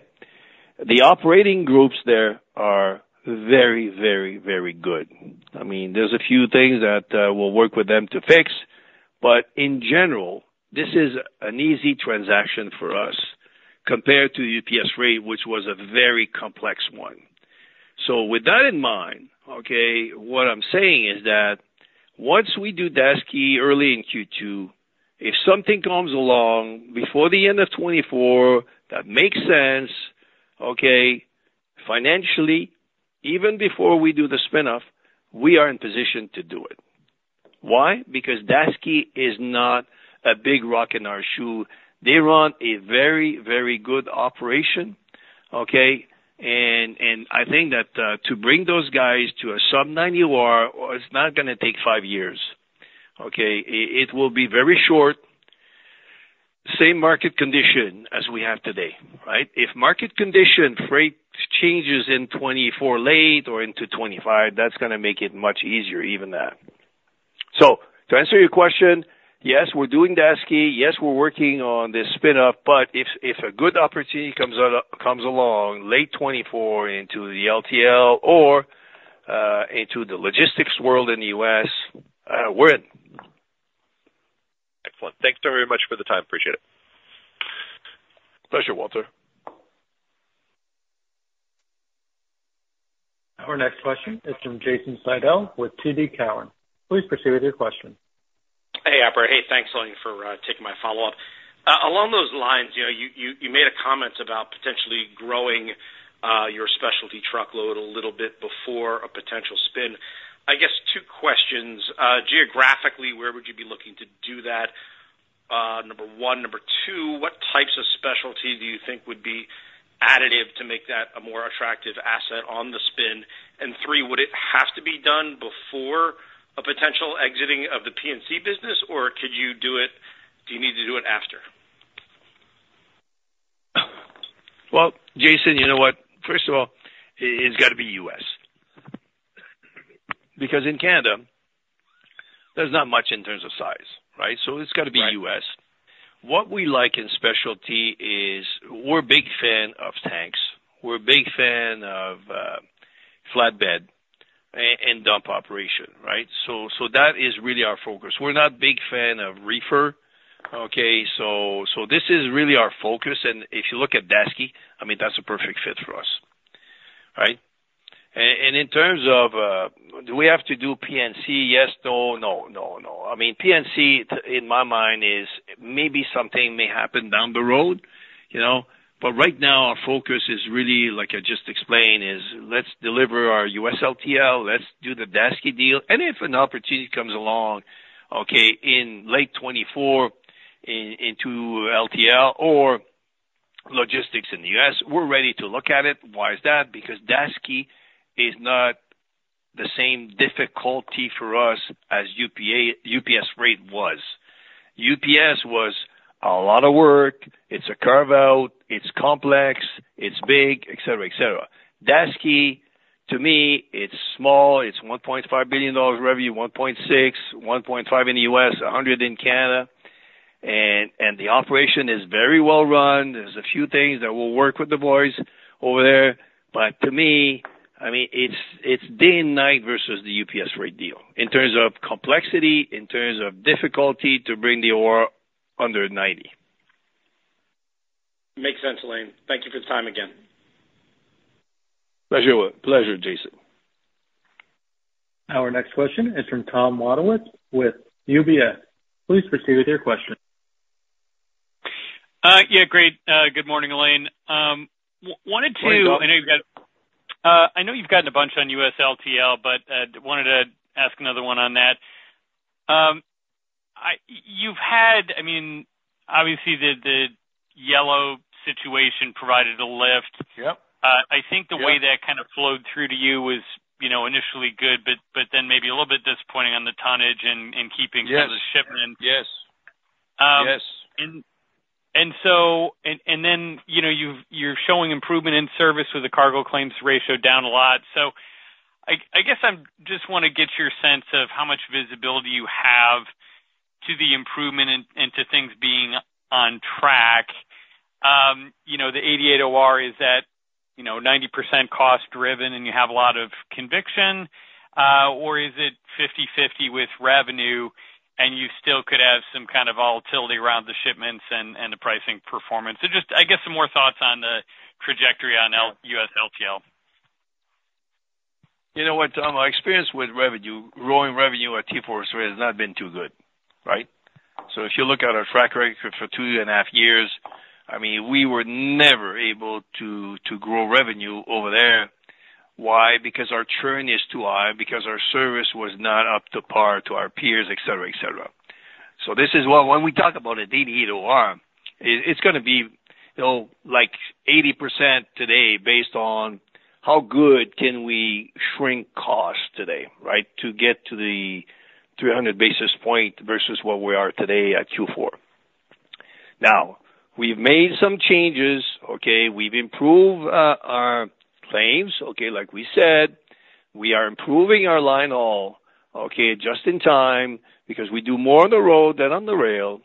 Speaker 2: The operating groups there are very, very, very good. I mean, there's a few things that we'll work with them to fix, but in general, this is an easy transaction for us compared to UPS Freight, which was a very complex one. So with that in mind, okay, what I'm saying is that once we do Daseke early in Q2, if something comes along before the end of 2024 that makes sense, okay, financially, even before we do the spin-off, we are in position to do it. Why? Because Daseke is not a big rock in our shoe. They run a very, very good operation, okay? And I think that to bring those guys to a sub-90 OR, it's not going to take five years, okay? It will be very short, same market condition as we have today, right? If market condition freight changes in late 2024 or into 2025, that's going to make it even easier, even that. So to answer your question, yes, we're doing Daseke. Yes, we're working on this spin-off, but if a good opportunity comes along late 2024 into the LTL or into the logistics world in the U.S., we're in.
Speaker 9: Excellent. Thanks very much for the time. Appreciate it.
Speaker 2: Pleasure, Walter.
Speaker 1: Our next question is from Jason Seidl with TD Cowen. Please proceed with your question.
Speaker 7: Hey, Alain. Hey, thanks, Alain, for taking my follow-up. Along those lines, you made a comment about potentially growing your specialty truckload a little bit before a potential spin. I guess two questions. Geographically, where would you be looking to do that? Number one. Number two, what types of specialty do you think would be additive to make that a more attractive asset on the spin? And three, would it have to be done before a potential exiting of the P&C business, or could you—do you need to do it after?
Speaker 2: Well, Jason, you know what? First of all, it's got to be U.S. because in Canada, there's not much in terms of size, right? So it's got to be U.S. What we like in specialty is we're a big fan of tanks. We're a big fan of flatbed and dump operation, right? So that is really our focus. We're not a big fan of reefer, okay? So this is really our focus. And if you look at Daseke, I mean, that's a perfect fit for us, right? And in terms of do we have to do P&C? Yes, no, no, no, no. I mean, P&C, in my mind, is maybe something may happen down the road. But right now, our focus is really, like I just explained, is let's deliver our U.S. LTL. Let's do the Daseke deal. And if an opportunity comes along, okay, in late 2024 into LTL or logistics in the U.S., we're ready to look at it. Why is that? Because Daseke is not the same difficulty for us as UPS Freight was. UPS was a lot of work. It's a carve-out. It's complex. It's big, etc., etc. Daseke, to me, it's small. It's $1.5 billion revenue, $1.6 billion, $1.5 billion in the U.S., $100 million in Canada. And the operation is very well run. There's a few things that will work with the boys over there. But to me, I mean, it's day and night versus the UPS Freight deal in terms of complexity, in terms of difficulty to bring the OR under 90.
Speaker 7: Makes sense, Alain. Thank you for the time again.
Speaker 2: Pleasure, Jason.
Speaker 1: Our next question is from Tom Wadewitz with UBS. Please proceed with your question.
Speaker 10: Yeah. Great. Good morning, Alain. Wanted to. I know you've got. I know you've gotten a bunch on U.S. LTL, but wanted to ask another one on that. I mean, obviously, the Yellow situation provided a lift. I think the way that kind of flowed through to you was initially good, but then maybe a little bit disappointing on the tonnage and keeping some of the shipments. And then you're showing improvement in service with the cargo claims ratio down a lot. So I guess I just want to get your sense of how much visibility you have to the improvement and to things being on track. The 88 OR, is that 90% cost-driven, and you have a lot of conviction? Or is it 50/50 with revenue, and you still could have some kind of volatility around the shipments and the pricing performance? Just, I guess, some more thoughts on the trajectory on U.S. LTL.
Speaker 2: You know what, Tom? My experience with revenue, growing revenue at TForce Freight has not been too good, right? So if you look at our track record for two and a half years, I mean, we were never able to grow revenue over there. Why? Because our churn is too high, because our service was not up to par to our peers, etc., etc. So this is why when we talk about an 88 OR, it's going to be like 80% today based on how good can we shrink cost today, right, to get to the 300 basis point versus what we are today at Q4. Now, we've made some changes, okay? We've improved our claims, okay. Like we said, we are improving our linehaul, okay, just in time because we do more on the road than on the rail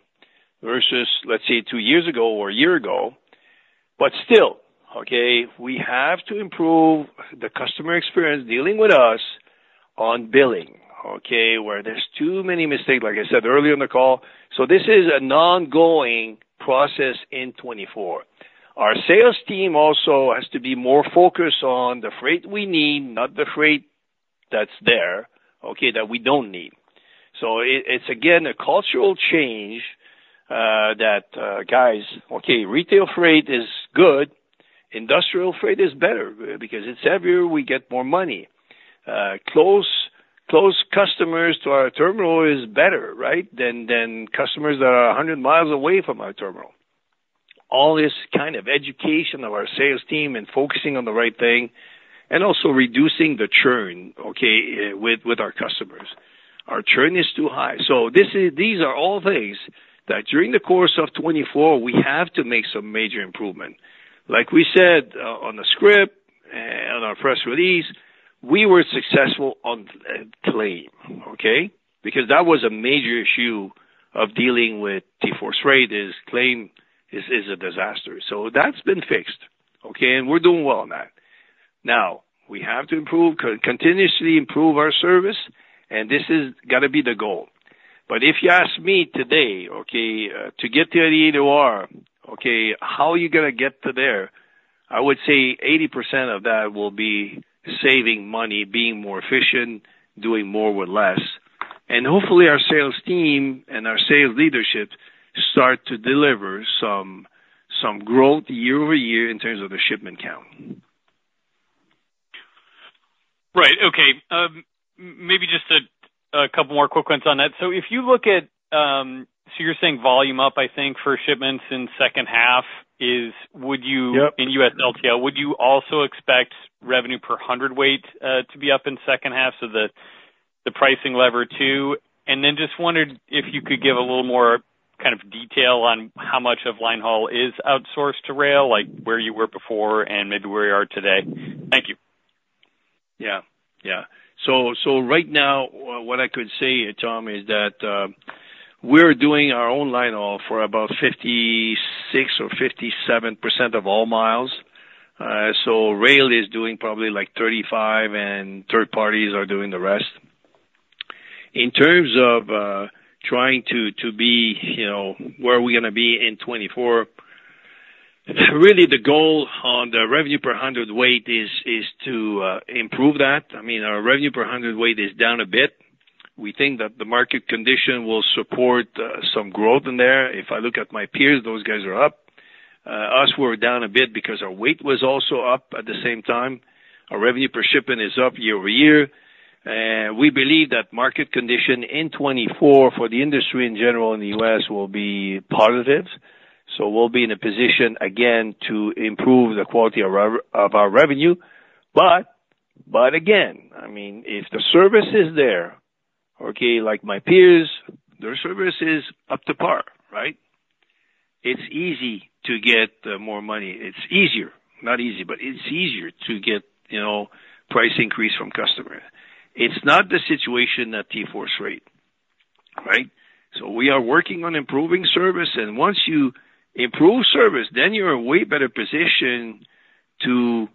Speaker 2: versus, let's say, two years ago or a year ago. But still, okay, we have to improve the customer experience dealing with us on billing, okay, where there's too many mistakes, like I said earlier on the call. So this is an ongoing process in 2024. Our sales team also has to be more focused on the freight we need, not the freight that's there, okay, that we don't need. So it's, again, a cultural change that guys, okay, retail freight is good. Industrial freight is better because it's heavier. We get more money. Close customers to our terminal is better, right, than customers that are 100 miles away from our terminal. All this kind of education of our sales team and focusing on the right thing and also reducing the churn, okay, with our customers. Our churn is too high. So these are all things that during the course of 2024, we have to make some major improvement. Like we said on the script and on our press release, we were successful on claims, okay, because that was a major issue of dealing with TForce Freight, claims is a disaster. So that's been fixed, okay, and we're doing well on that. Now, we have to continuously improve our service, and this is got to be the goal. But if you ask me today, okay, to get to 88 OR, okay, how are you going to get to there? I would say 80% of that will be saving money, being more efficient, doing more with less. And hopefully, our sales team and our sales leadership start to deliver some growth year-over-year in terms of the shipment count.
Speaker 10: Right. Okay. Maybe just a couple more quick ones on that. So if you look at so you're saying volume up, I think, for shipments in H2 is in US LTL. Would you also expect revenue per hundredweight to be up in H2, so the pricing lever too? And then just wondered if you could give a little more kind of detail on how much of linehaul is outsourced to rail, like where you were before and maybe where you are today. Thank you.
Speaker 2: Yeah. Yeah. So right now, what I could say, Tom, is that we're doing our own linehaul for about 56 or 57% of all miles. So rail is doing probably like 35%, and third parties are doing the rest. In terms of trying to be where we're going to be in 2024, really, the goal on the revenue per hundredweight is to improve that. I mean, our revenue per hundredweight is down a bit. We think that the market condition will support some growth in there. If I look at my peers, those guys are up. Us, we're down a bit because our weight was also up at the same time. Our revenue per shipment is up year-over-year. And we believe that market condition in 2024 for the industry in general in the U.S. will be positive. So we'll be in a position, again, to improve the quality of our revenue. But again, I mean, if the service is there, okay, like my peers, their service is up to par, right? It's easy to get more money. It's easier. Not easy, but it's easier to get price increase from customers. It's not the situation at TForce Freight, right? So we are working on improving service. And once you improve service, then you're in a way better position to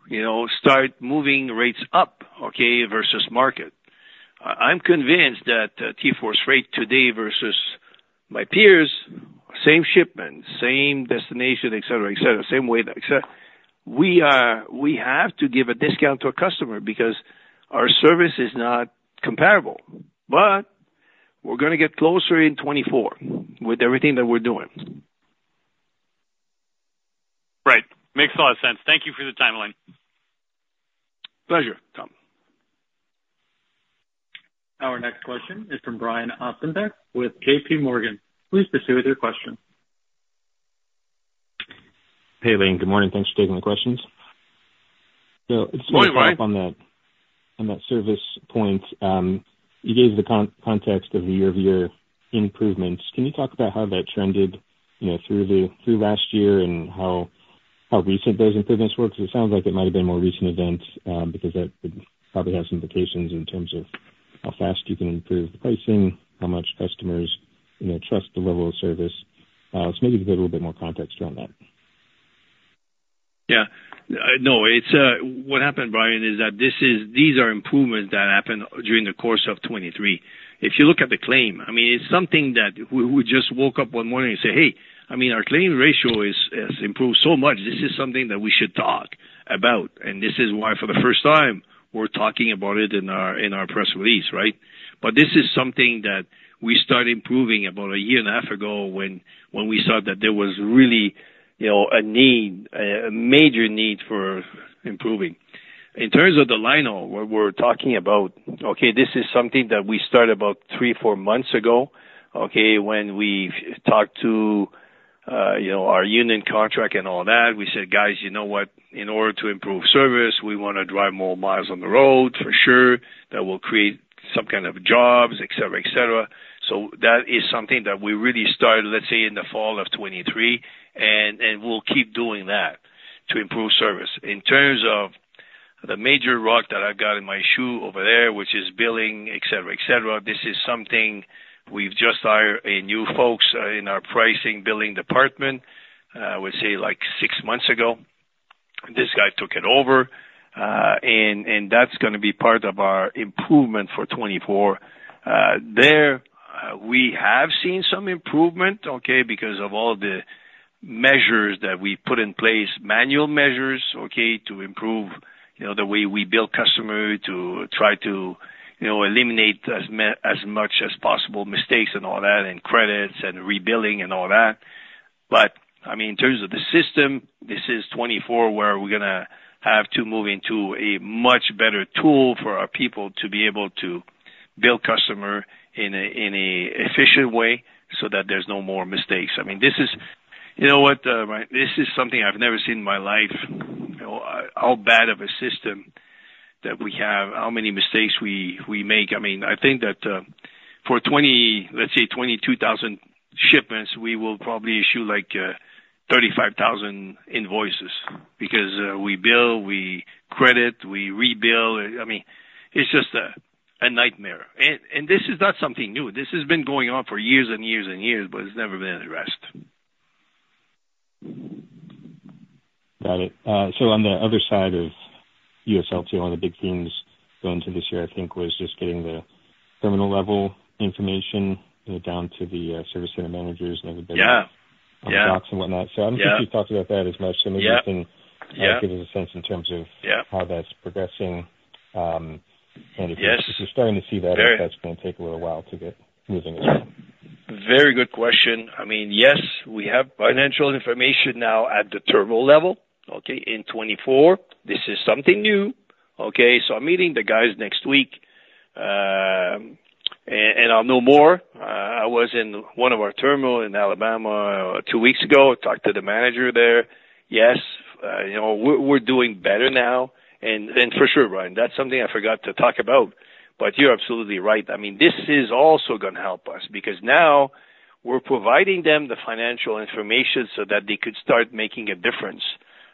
Speaker 2: start moving rates up, okay, versus market. I'm convinced that TForce Freight today versus my peers, same shipment, same destination, etc., etc., same weight, etc., we have to give a discount to a customer because our service is not comparable. But we're going to get closer in 2024 with everything that we're doing.
Speaker 10: Right. Makes a lot of sense. Thank you for the time, Alain.
Speaker 2: Pleasure, Tom.
Speaker 1: Our next question is from Brian Ossenbeck with JPMorgan. Please proceed with your question.
Speaker 11: Hey, Alain. Good morning. Thanks for taking the questions. So just to follow up on that service point, you gave the context of the year-over-year improvements. Can you talk about how that trended through last year and how recent those improvements were? Because it sounds like it might have been more recent events because that would probably have some implications in terms of how fast you can improve the pricing, how much customers trust the level of service. So maybe give it a little bit more context around that.
Speaker 2: Yeah. No, what happened, Brian, is that these are improvements that happened during the course of 2023. If you look at the claim, I mean, it's something that we just woke up one morning and said, hey, I mean, our claim ratio has improved so much. This is something that we should talk about. And this is why, for the first time, we're talking about it in our press release, right? But this is something that we started improving about a year and a half ago when we saw that there was really a need, a major need for improving. In terms of the linehaul, what we're talking about, okay, this is something that we started about three, four months ago, okay, when we talked to our union contract and all that. We said, guys, you know what? In order to improve service, we want to drive more miles on the road, for sure. That will create some kind of jobs, etc., etc. So that is something that we really started, let's say, in the fall of 2023, and we'll keep doing that to improve service. In terms of the major rock that I've got in my shoe over there, which is billing, etc., etc., this is something we've just hired new folks in our pricing, billing department, I would say, like six months ago. This guy took it over, and that's going to be part of our improvement for 2024. There, we have seen some improvement, okay, because of all the measures that we put in place, manual measures, okay, to improve the way we bill customers, to try to eliminate as much as possible mistakes and all that and credits and rebilling and all that. I mean, in terms of the system, this is 2024 where we're going to have to move into a much better tool for our people to be able to bill customers in an efficient way so that there's no more mistakes. I mean, this is, you know what, Brian? This is something I've never seen in my life, how bad of a system that we have, how many mistakes we make. I mean, I think that for, let's say, 22,000 shipments, we will probably issue like 35,000 invoices because we bill, we credit, we rebill. I mean, it's just a nightmare. This is not something new. This has been going on for years and years and years, but it's never been addressed.
Speaker 11: Got it. So on the other side of U.S. LTL, one of the big themes going into this year, I think, was just getting the terminal level information down to the service center managers and everybody on the docks and whatnot. So I'm sure you've talked about that as much. So maybe you can give us a sense in terms of how that's progressing. And if you're starting to see that, that's going to take a little while to get moving as well.
Speaker 2: Very good question. I mean, yes, we have financial information now at the terminal level, okay, in 2024. This is something new, okay? So I'm meeting the guys next week, and I'll know more. I was in one of our terminals in Alabama two weeks ago. I talked to the manager there. Yes, we're doing better now. And for sure, Brian, that's something I forgot to talk about. But you're absolutely right. I mean, this is also going to help us because now we're providing them the financial information so that they could start making a difference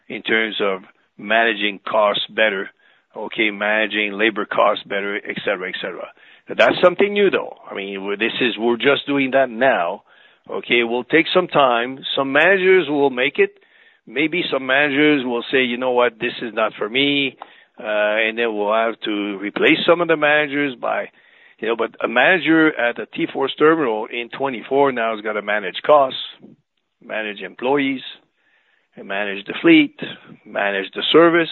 Speaker 2: in terms of managing costs better, okay, managing labor costs better, etc., etc. That's something new, though. I mean, we're just doing that now, okay, it will take some time. Some managers will make it. Maybe some managers will say, you know what? This is not for me. And then we'll have to replace some of the managers, but a manager at a TForce terminal in 2024 now has got to manage costs, manage employees, and manage the fleet, manage the service,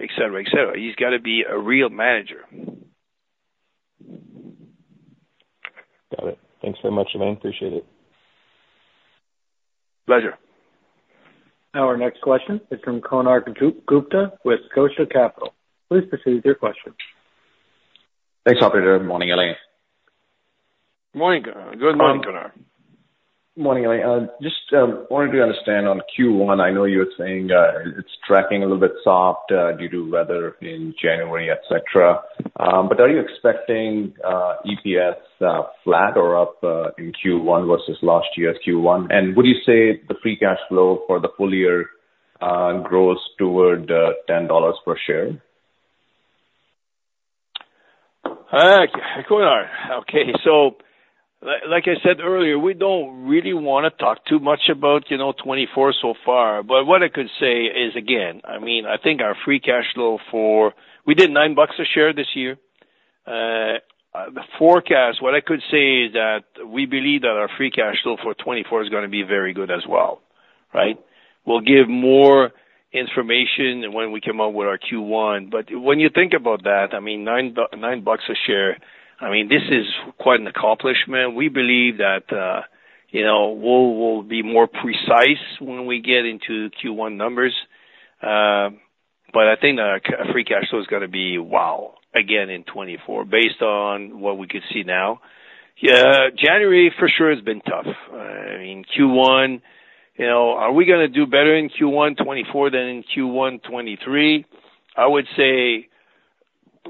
Speaker 2: etc., etc. He's got to be a real manager.
Speaker 11: Got it. Thanks very much, Alain. Appreciate it.
Speaker 2: Pleasure.
Speaker 1: Now, our next question is from Konark Gupta with Scotia Capital. Please proceed with your question.
Speaker 12: Thanks, Operator. Good morning, Alain.
Speaker 2: Morning. Good morning, Konark.
Speaker 12: Morning, Alain. Just wanted to understand on Q1. I know you were saying it's tracking a little bit soft due to weather in January, etc. But are you expecting EPS flat or up in Q1 versus last year's Q1? And would you say the free cash flow for the full year grows toward $10 per share?
Speaker 2: Konark, okay, so like I said earlier, we don't really want to talk too much about 2024 so far. But what I could say is, again, I mean, I think our free cash flow, we did $9 a share this year. The forecast, what I could say is that we believe that our free cash flow for 2024 is going to be very good as well, right? We'll give more information when we come up with our Q1. But when you think about that, I mean, $9 a share, I mean, this is quite an accomplishment. We believe that we'll be more precise when we get into Q1 numbers. But I think our free cash flow is going to be wow, again, in 2024 based on what we could see now. Yeah, January, for sure, has been tough. I mean, Q1, are we going to do better in Q1 2024 than in Q1 2023? I would say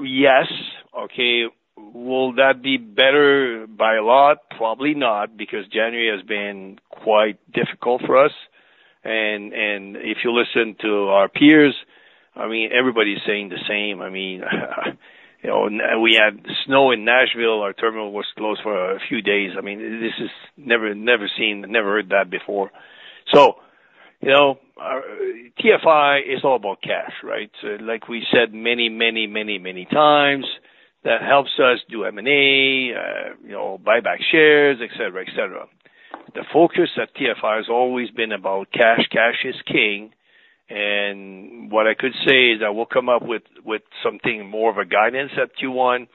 Speaker 2: yes, okay, will that be better by a lot? Probably not because January has been quite difficult for us. And if you listen to our peers, I mean, everybody's saying the same. I mean, we had snow in Nashville. Our terminal was closed for a few days. I mean, this is never seen, never heard that before. So TFI is all about cash, right? Like we said many, many, many, many times, that helps us do M&A, buyback shares, etc., etc. The focus at TFI has always been about cash. Cash is king. And what I could say is that we'll come up with something more of a guidance at Q1.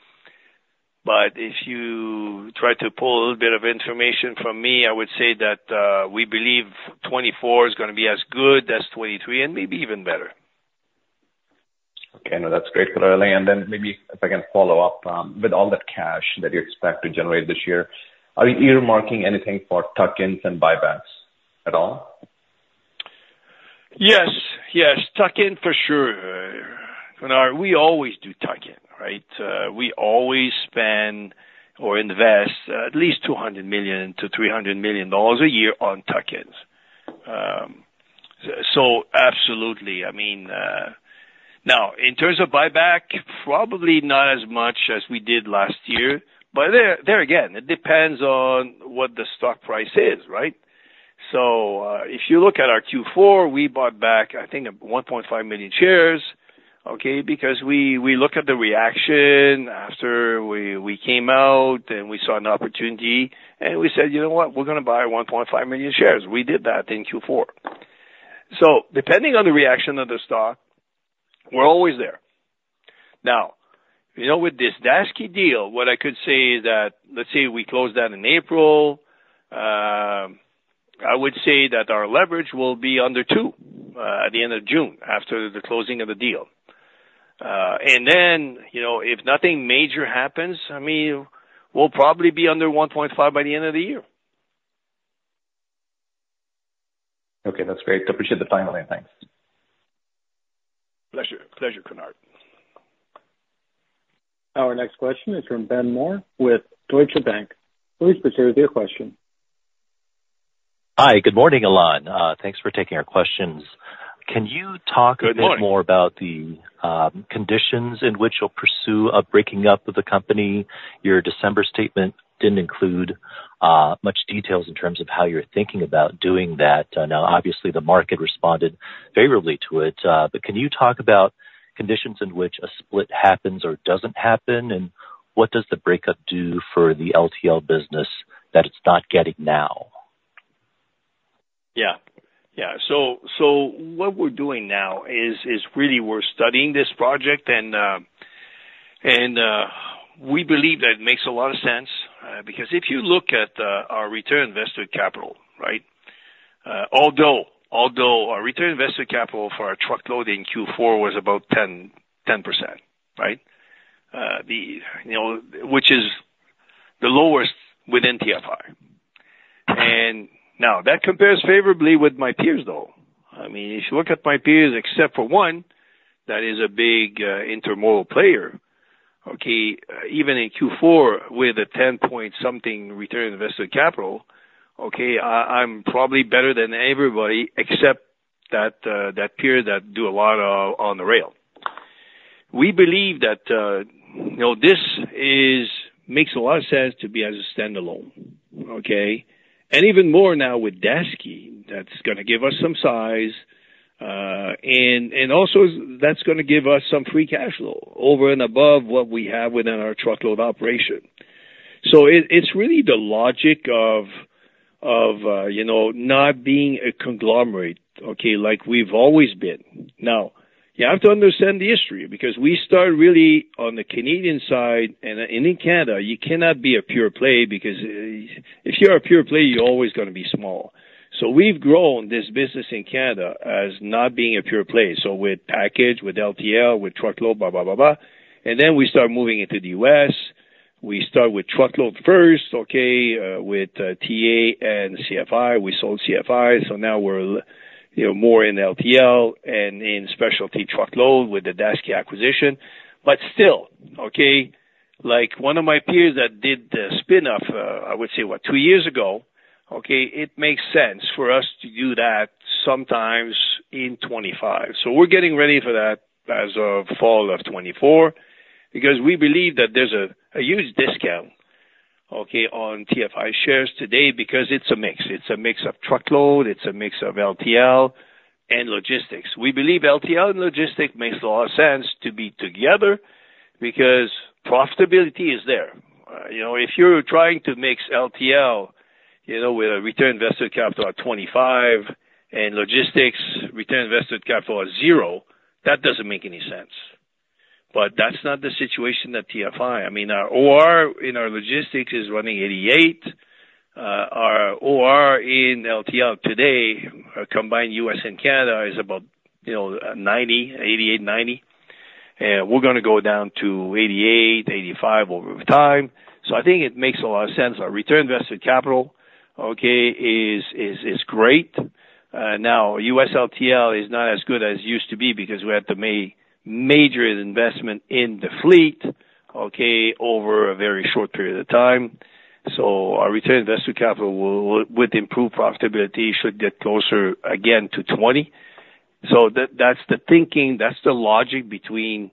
Speaker 2: If you try to pull a little bit of information from me, I would say that we believe 2024 is going to be as good as 2023 and maybe even better.
Speaker 12: Okay. No, that's great to know, Alain. And then maybe if I can follow up, with all that cash that you expect to generate this year, are you marking anything for tuck-ins and buybacks at all?
Speaker 2: Yes. Yes. Tuck-in, for sure. Konark, we always do tuck-in, right? We always spend or invest at least $200 million-$300 million a year on tuck-ins. So absolutely. I mean, now, in terms of buyback, probably not as much as we did last year. But there, again, it depends on what the stock price is, right? So if you look at our Q4, we bought back, I think, 1.5 million shares, okay, because we look at the reaction after we came out and we saw an opportunity, and we said, you know what? We're going to buy 1.5 million shares. We did that in Q4. So depending on the reaction of the stock, we're always there. Now, with this Daseke deal, what I could say is that let's say we close that in April. I would say that our leverage will be under two at the end of June after the closing of the deal. And then if nothing major happens, I mean, we'll probably be under 1.5 by the end of the year.
Speaker 12: Okay. That's great. Appreciate the time, Alain. Thanks.
Speaker 2: Pleasure, Konark.
Speaker 1: Our next question is from Ben Mohr with Deutsche Bank. Please proceed with your question.
Speaker 13: Hi. Good morning, Alain. Thanks for taking our questions. Can you talk a bit more about the conditions in which you'll pursue a breaking up of the company? Your December statement didn't include much details in terms of how you're thinking about doing that. Now, obviously, the market responded favorably to it. But can you talk about conditions in which a split happens or doesn't happen, and what does the breakup do for the LTL business that it's not getting now?
Speaker 2: Yeah. Yeah. So what we're doing now is really we're studying this project, and we believe that it makes a lot of sense because if you look at our return on invested capital, right, although our return on invested capital for our truckload in Q4 was about 10%, right, which is the lowest within TFI. And now, that compares favorably with my peers, though. I mean, if you look at my peers, except for one that is a big intermodal player, okay, even in Q4 with a 10-point-something return on invested capital, okay, I'm probably better than everybody except that peer that do a lot on the rail. We believe that this makes a lot of sense to be as a standalone, okay, and even more now with Daseke, that's going to give us some size. And also, that's going to give us some free cash flow over and above what we have within our truckload operation. So it's really the logic of not being a conglomerate, okay, like we've always been. Now, you have to understand the history because we start really on the Canadian side, and in Canada, you cannot be a pure play because if you're a pure play, you're always going to be small. So we've grown this business in Canada as not being a pure play. So with package, with LTL, with truckload, blah, blah, blah, blah. And then we start moving into the U.S. We start with truckload first, okay, with TA and CFI. We sold CFI. So now, we're more in LTL and in specialty truckload with the Daseke acquisition. But still, okay, one of my peers that did the spinoff, I would say, what, two years ago, okay, it makes sense for us to do that sometimes in 2025. So we're getting ready for that as of fall of 2024 because we believe that there's a huge discount, okay, on TFI shares today because it's a mix. It's a mix of truckload. It's a mix of LTL and logistics. We believe LTL and logistics makes a lot of sense to be together because profitability is there. If you're trying to mix LTL with a return on invested capital at 25% and logistics, return on invested capital at 0%, that doesn't make any sense. But that's not the situation at TFI. I mean, our OR in our logistics is running 88%. Our OR in LTL today, combined U.S. and Canada, is about 90%, 88%, 90%. We're going to go down to 88-85 over time. So I think it makes a lot of sense. Our return on invested capital, okay, is great. Now, U.S. LTL is not as good as it used to be because we had to make major investment in the fleet, okay, over a very short period of time. So our return on invested capital, with improved profitability, should get closer again to 20. So that's the thinking. That's the logic between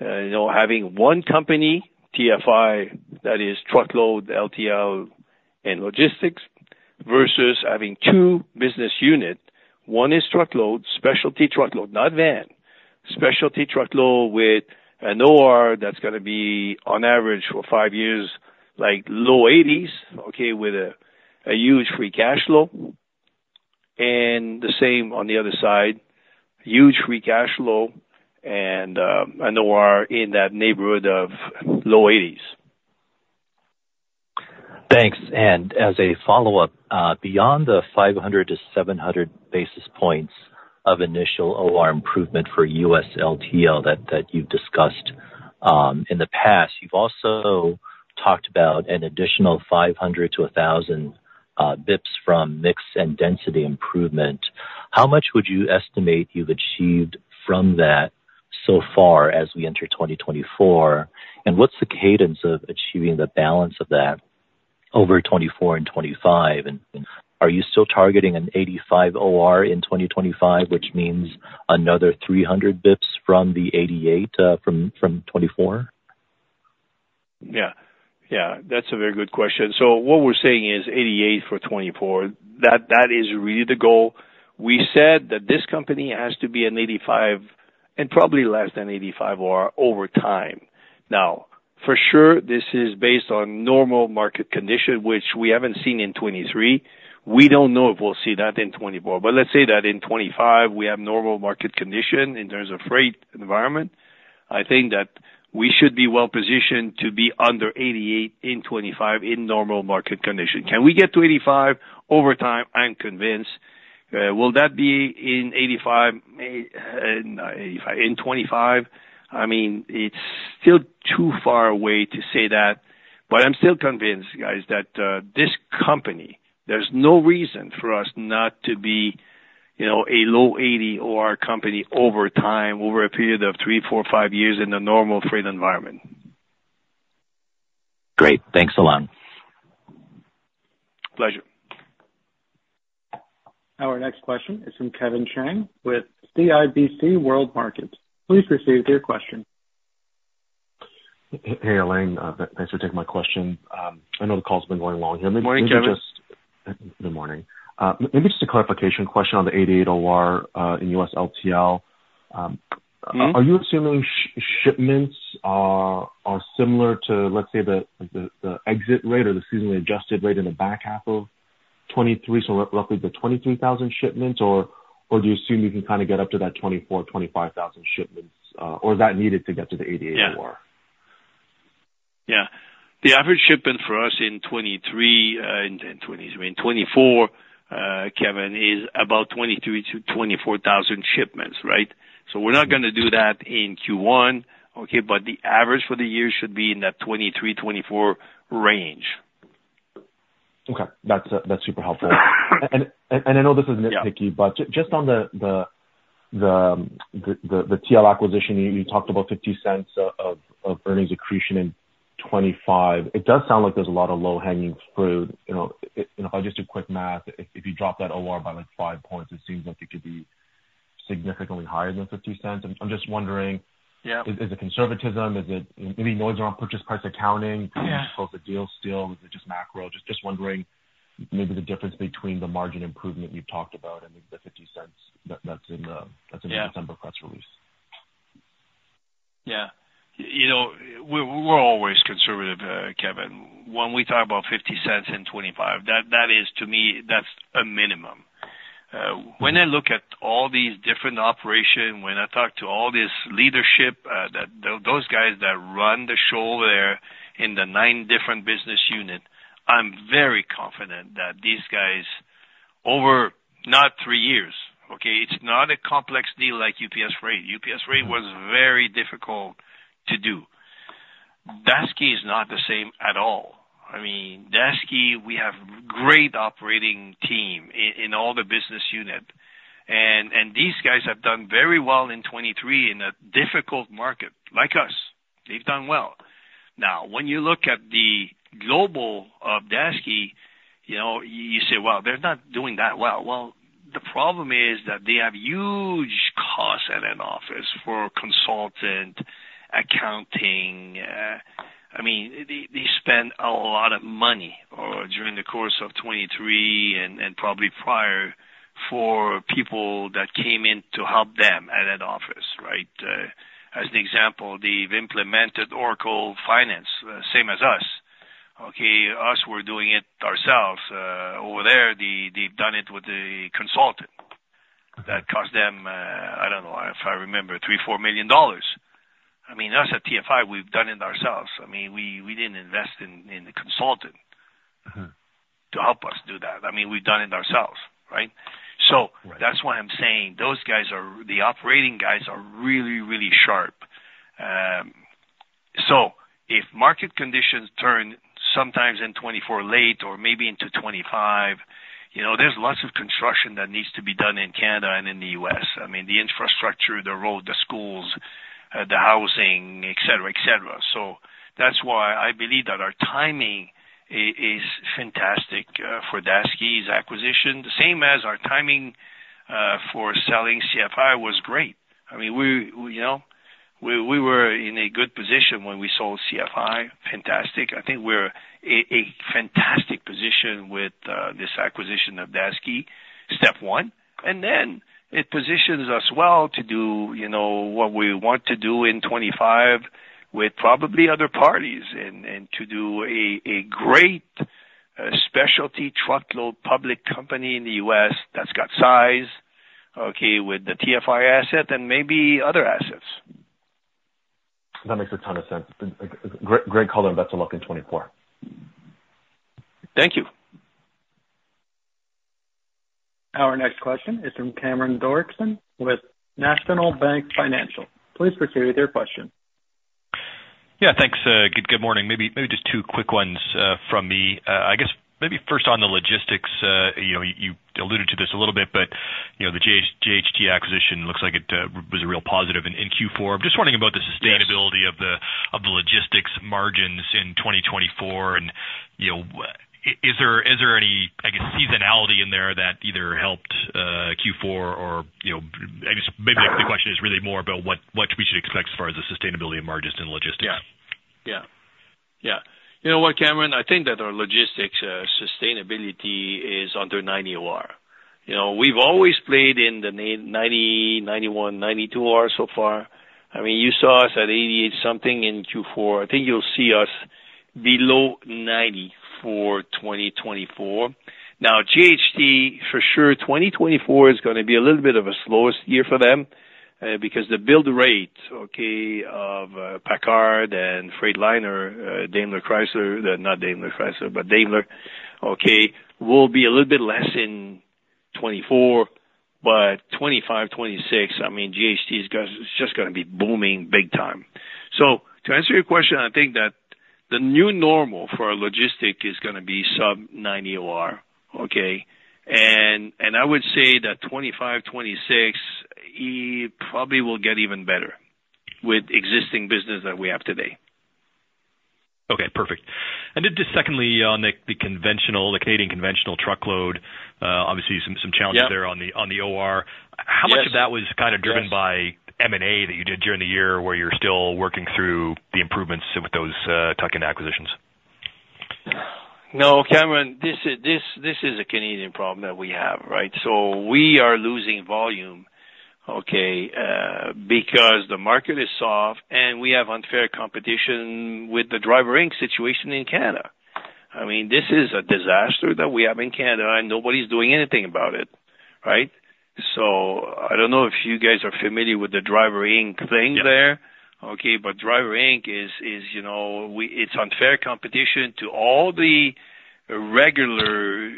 Speaker 2: having one company, TFI, that is truckload, LTL, and logistics, versus having two business units. One is truckload, specialty truckload, not van, specialty truckload with an OR that's going to be, on average, for five years, low 80s, okay, with a huge free cash flow. And the same on the other side, huge free cash flow and an OR in that neighborhood of low 80s.
Speaker 13: Thanks. As a follow-up, beyond the 500-700 basis points of initial OR improvement for U.S. LTL that you've discussed in the past, you've also talked about an additional 500-1,000 bps from mix and density improvement. How much would you estimate you've achieved from that so far as we enter 2024? And what's the cadence of achieving the balance of that over 2024 and 2025? And are you still targeting an 85 OR in 2025, which means another 300 bps from the 88 from 2024?
Speaker 2: Yeah. Yeah. That's a very good question. So what we're saying is 88 for 2024. That is really the goal. We said that this company has to be an 85 and probably less than 85 OR over time. Now, for sure, this is based on normal market condition, which we haven't seen in 2023. We don't know if we'll see that in 2024. But let's say that in 2025, we have normal market condition in terms of freight environment. I think that we should be well-positioned to be under 88 in 2025 in normal market condition. Can we get to 85 over time? I'm convinced. Will that be in 85? Not 85. In 2025? I mean, it's still too far away to say that. I'm still convinced, guys, that this company, there's no reason for us not to be a low 80 OR company over time, over a period of three, four, five years in the normal freight environment.
Speaker 13: Great. Thanks, Alain.
Speaker 2: Pleasure.
Speaker 1: Our next question is from Kevin Chiang with CIBC World Markets. Please proceed with your question.
Speaker 14: Hey, Alain. Thanks for taking my question. I know the call's been going long here. Maybe you can just.
Speaker 2: Morning, Kevin.
Speaker 14: Good morning. Maybe just a clarification question on the 88 OR in U.S. LTL. Are you assuming shipments are similar to, let's say, the exit rate or the seasonally adjusted rate in the back half of 2023, so roughly the 23,000 shipments? Or do you assume you can kind of get up to that 24,000-25,000 shipments, or is that needed to get to the 88 OR?
Speaker 2: Yeah. Yeah. The average shipment for us in 2023 and in 2024, Kevin, is about 23,000-24,000 shipments, right? So we're not going to do that in Q1, okay, but the average for the year should be in that 23,000-24,000 range.
Speaker 14: Okay. That's super helpful. I know this is nitpicky, but just on the TL acquisition, you talked about $0.50 of earnings accretion in 2025. It does sound like there's a lot of low-hanging fruit. If I just do quick math, if you drop that OR by like 5 points, it seems like it could be significantly higher than $0.50. I'm just wondering, is it conservatism? Is it maybe noise around purchase price accounting? Is it close to deals still? Is it just macro? Just wondering maybe the difference between the margin improvement you've talked about and maybe the $0.50 that's in the December press release.
Speaker 2: Yeah. Yeah. We're always conservative, Kevin. When we talk about $0.50 in 2025, to me, that's a minimum. When I look at all these different operations, when I talk to all this leadership, those guys that run the show there in the 9 different business units, I'm very confident that these guys, over not 3 years, okay, it's not a complex deal like UPS Freight. UPS Freight was very difficult to do. Daseke is not the same at all. I mean, Daseke, we have a great operating team in all the business units. And these guys have done very well in 2023 in a difficult market like us. They've done well. Now, when you look at the global of Daseke, you say, well, they're not doing that well. Well, the problem is that they have huge costs at an office for consultant, accounting. I mean, they spend a lot of money during the course of 2023 and probably prior for people that came in to help them at an office, right? As an example, they've implemented Oracle Finance, same as us, okay, us, we're doing it ourselves. Over there, they've done it with a consultant that cost them, I don't know if I remember, $3 million-$4 million. I mean, us at TFI, we've done it ourselves. I mean, we didn't invest in the consultant to help us do that. I mean, we've done it ourselves, right? So that's why I'm saying those guys, the operating guys, are really, really sharp. So if market conditions turn sometimes in late 2024 or maybe into 2025, there's lots of construction that needs to be done in Canada and in the U.S. I mean, the infrastructure, the road, the schools, the housing, etc., etc. So that's why I believe that our timing is fantastic for Daseke's acquisition, the same as our timing for selling CFI was great. I mean, we were in a good position when we sold CFI. Fantastic. I think we're in a fantastic position with this acquisition of Daseke, step one. And then it positions us well to do what we want to do in 2025 with probably other parties and to do a great specialty truckload public company in the U.S. that's got size, okay, with the TFI asset and maybe other assets.
Speaker 14: That makes a ton of sense. Great call, and best of luck in 2024.
Speaker 2: Thank you.
Speaker 1: Our next question is from Cameron Doerksen with National Bank Financial. Please proceed with your question.
Speaker 15: Yeah. Thanks. Good morning. Maybe just two quick ones from me. I guess maybe first on the logistics. You alluded to this a little bit, but the JHT acquisition looks like it was a real positive in Q4. I'm just wondering about the sustainability of the logistics margins in 2024. Is there any, I guess, seasonality in there that either helped Q4 or I guess maybe the question is really more about what we should expect as far as the sustainability of margins in logistics.
Speaker 2: Yeah. Yeah. Yeah. You know what, Cameron? I think that our logistics sustainability is under 90 OR. We've always played in the 90, 91, 92 OR so far. I mean, you saw us at 88 something in Q4. I think you'll see us below 90 for 2024. Now, JHT, for sure, 2024 is going to be a little bit of a slowest year for them because the build rate, okay, of PACCAR and Freightliner, DaimlerChrysler not DaimlerChrysler, but Daimler, okay, will be a little bit less in 2024. But 2025, 2026, I mean, JHT is just going to be booming big time. So to answer your question, I think that the new normal for our logistics is going to be sub-90 OR, okay? And I would say that 2025, 2026, it probably will get even better with existing business that we have today.
Speaker 15: Okay. Perfect. And then just secondly, on the Canadian conventional truckload, obviously, some challenges there on the OR. How much of that was kind of driven by M&A that you did during the year where you're still working through the improvements with those tuck-in acquisitions?
Speaker 2: No, Cameron, this is a Canadian problem that we have, right? So we are losing volume, okay, because the market is soft, and we have unfair competition with the Driver Inc. situation in Canada. I mean, this is a disaster that we have in Canada, and nobody's doing anything about it, right? So I don't know if you guys are familiar with the Driver Inc. thing there, okay, but Driver Inc., it's unfair competition to all the regular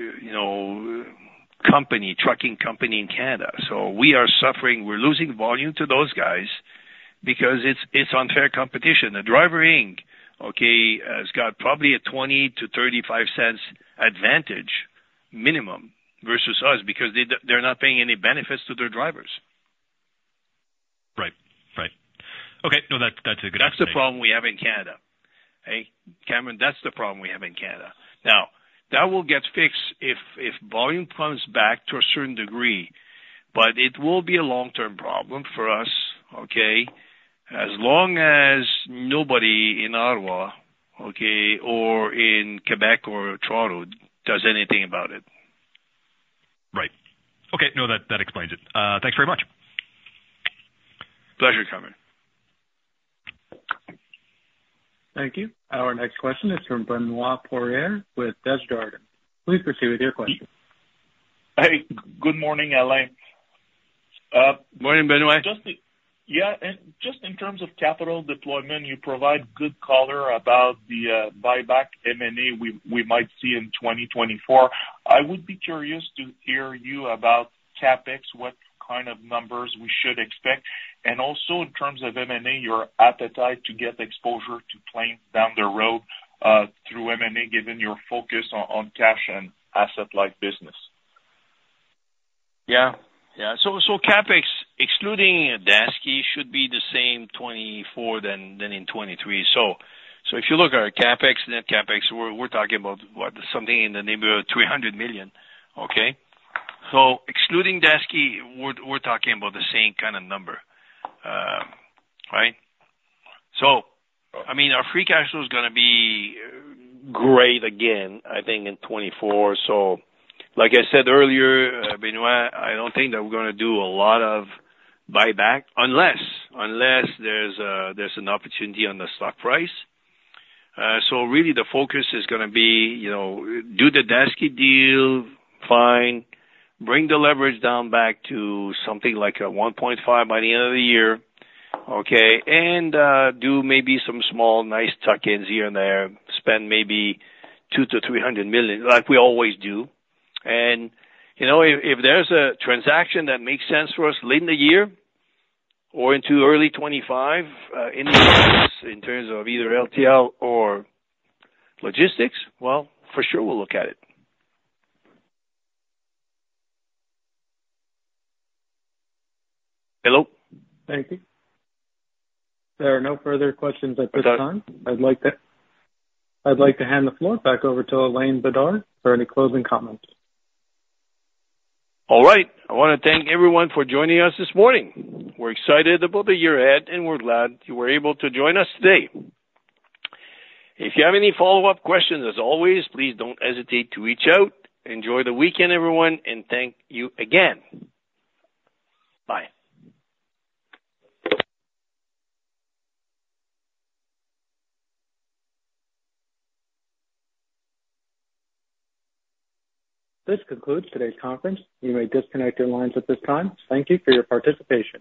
Speaker 2: trucking company in Canada. So we are suffering. We're losing volume to those guys because it's unfair competition. The Driver Inc., okay, has got probably a $0.20-$0.35 advantage minimum versus us because they're not paying any benefits to their drivers.
Speaker 15: Right. Right. Okay. No, that's a good estimate.
Speaker 2: That's the problem we have in Canada, okay, Cameron, that's the problem we have in Canada. Now, that will get fixed if volume comes back to a certain degree. But it will be a long-term problem for us, okay, as long as nobody in Ottawa, okay, or in Quebec or Toronto does anything about it.
Speaker 15: Right. Okay. No, that explains it. Thanks very much.
Speaker 2: Pleasure, Cameron.
Speaker 1: Thank you. Our next question is from Benoit Poirier with Desjardins. Please proceed with your question.
Speaker 16: Hey. Good morning, Alain.
Speaker 2: Morning, Benoit.
Speaker 16: Yeah. Just in terms of capital deployment, you provide good color about the buyback M&A we might see in 2024. I would be curious to hear you about CapEx, what kind of numbers we should expect. Also in terms of M&A, your appetite to get exposure to planes down the road through M&A, given your focus on cash and asset-light business.
Speaker 2: Yeah. Yeah. So CapEx, excluding Daseke, should be the same 2024 than in 2023. So if you look at our CapEx, net CapEx, we're talking about something in the neighborhood of $300 million, okay? So excluding Daseke, we're talking about the same kind of number, right? So I mean, our free cash flow is going to be great again, I think, in 2024. So like I said earlier, Benoit, I don't think that we're going to do a lot of buyback unless there's an opportunity on the stock price. So really, the focus is going to be do the Daseke deal, fine, bring the leverage down back to something like a 1.5 by the end of the year, okay, and do maybe some small, nice tuck-ins here and there, spend maybe $200-$300 million like we always do. If there's a transaction that makes sense for us late in the year or into early 2025 in the offing in terms of either LTL or logistics, well, for sure, we'll look at it. Hello?
Speaker 1: Thank you. There are no further questions at this time. I'd like to hand the floor back over to Alain Bédard for any closing comments.
Speaker 2: All right. I want to thank everyone for joining us this morning. We're excited about the year ahead, and we're glad you were able to join us today. If you have any follow-up questions, as always, please don't hesitate to reach out. Enjoy the weekend, everyone, and thank you again. Bye.
Speaker 1: This concludes today's conference. You may disconnect your lines at this time. Thank you for your participation.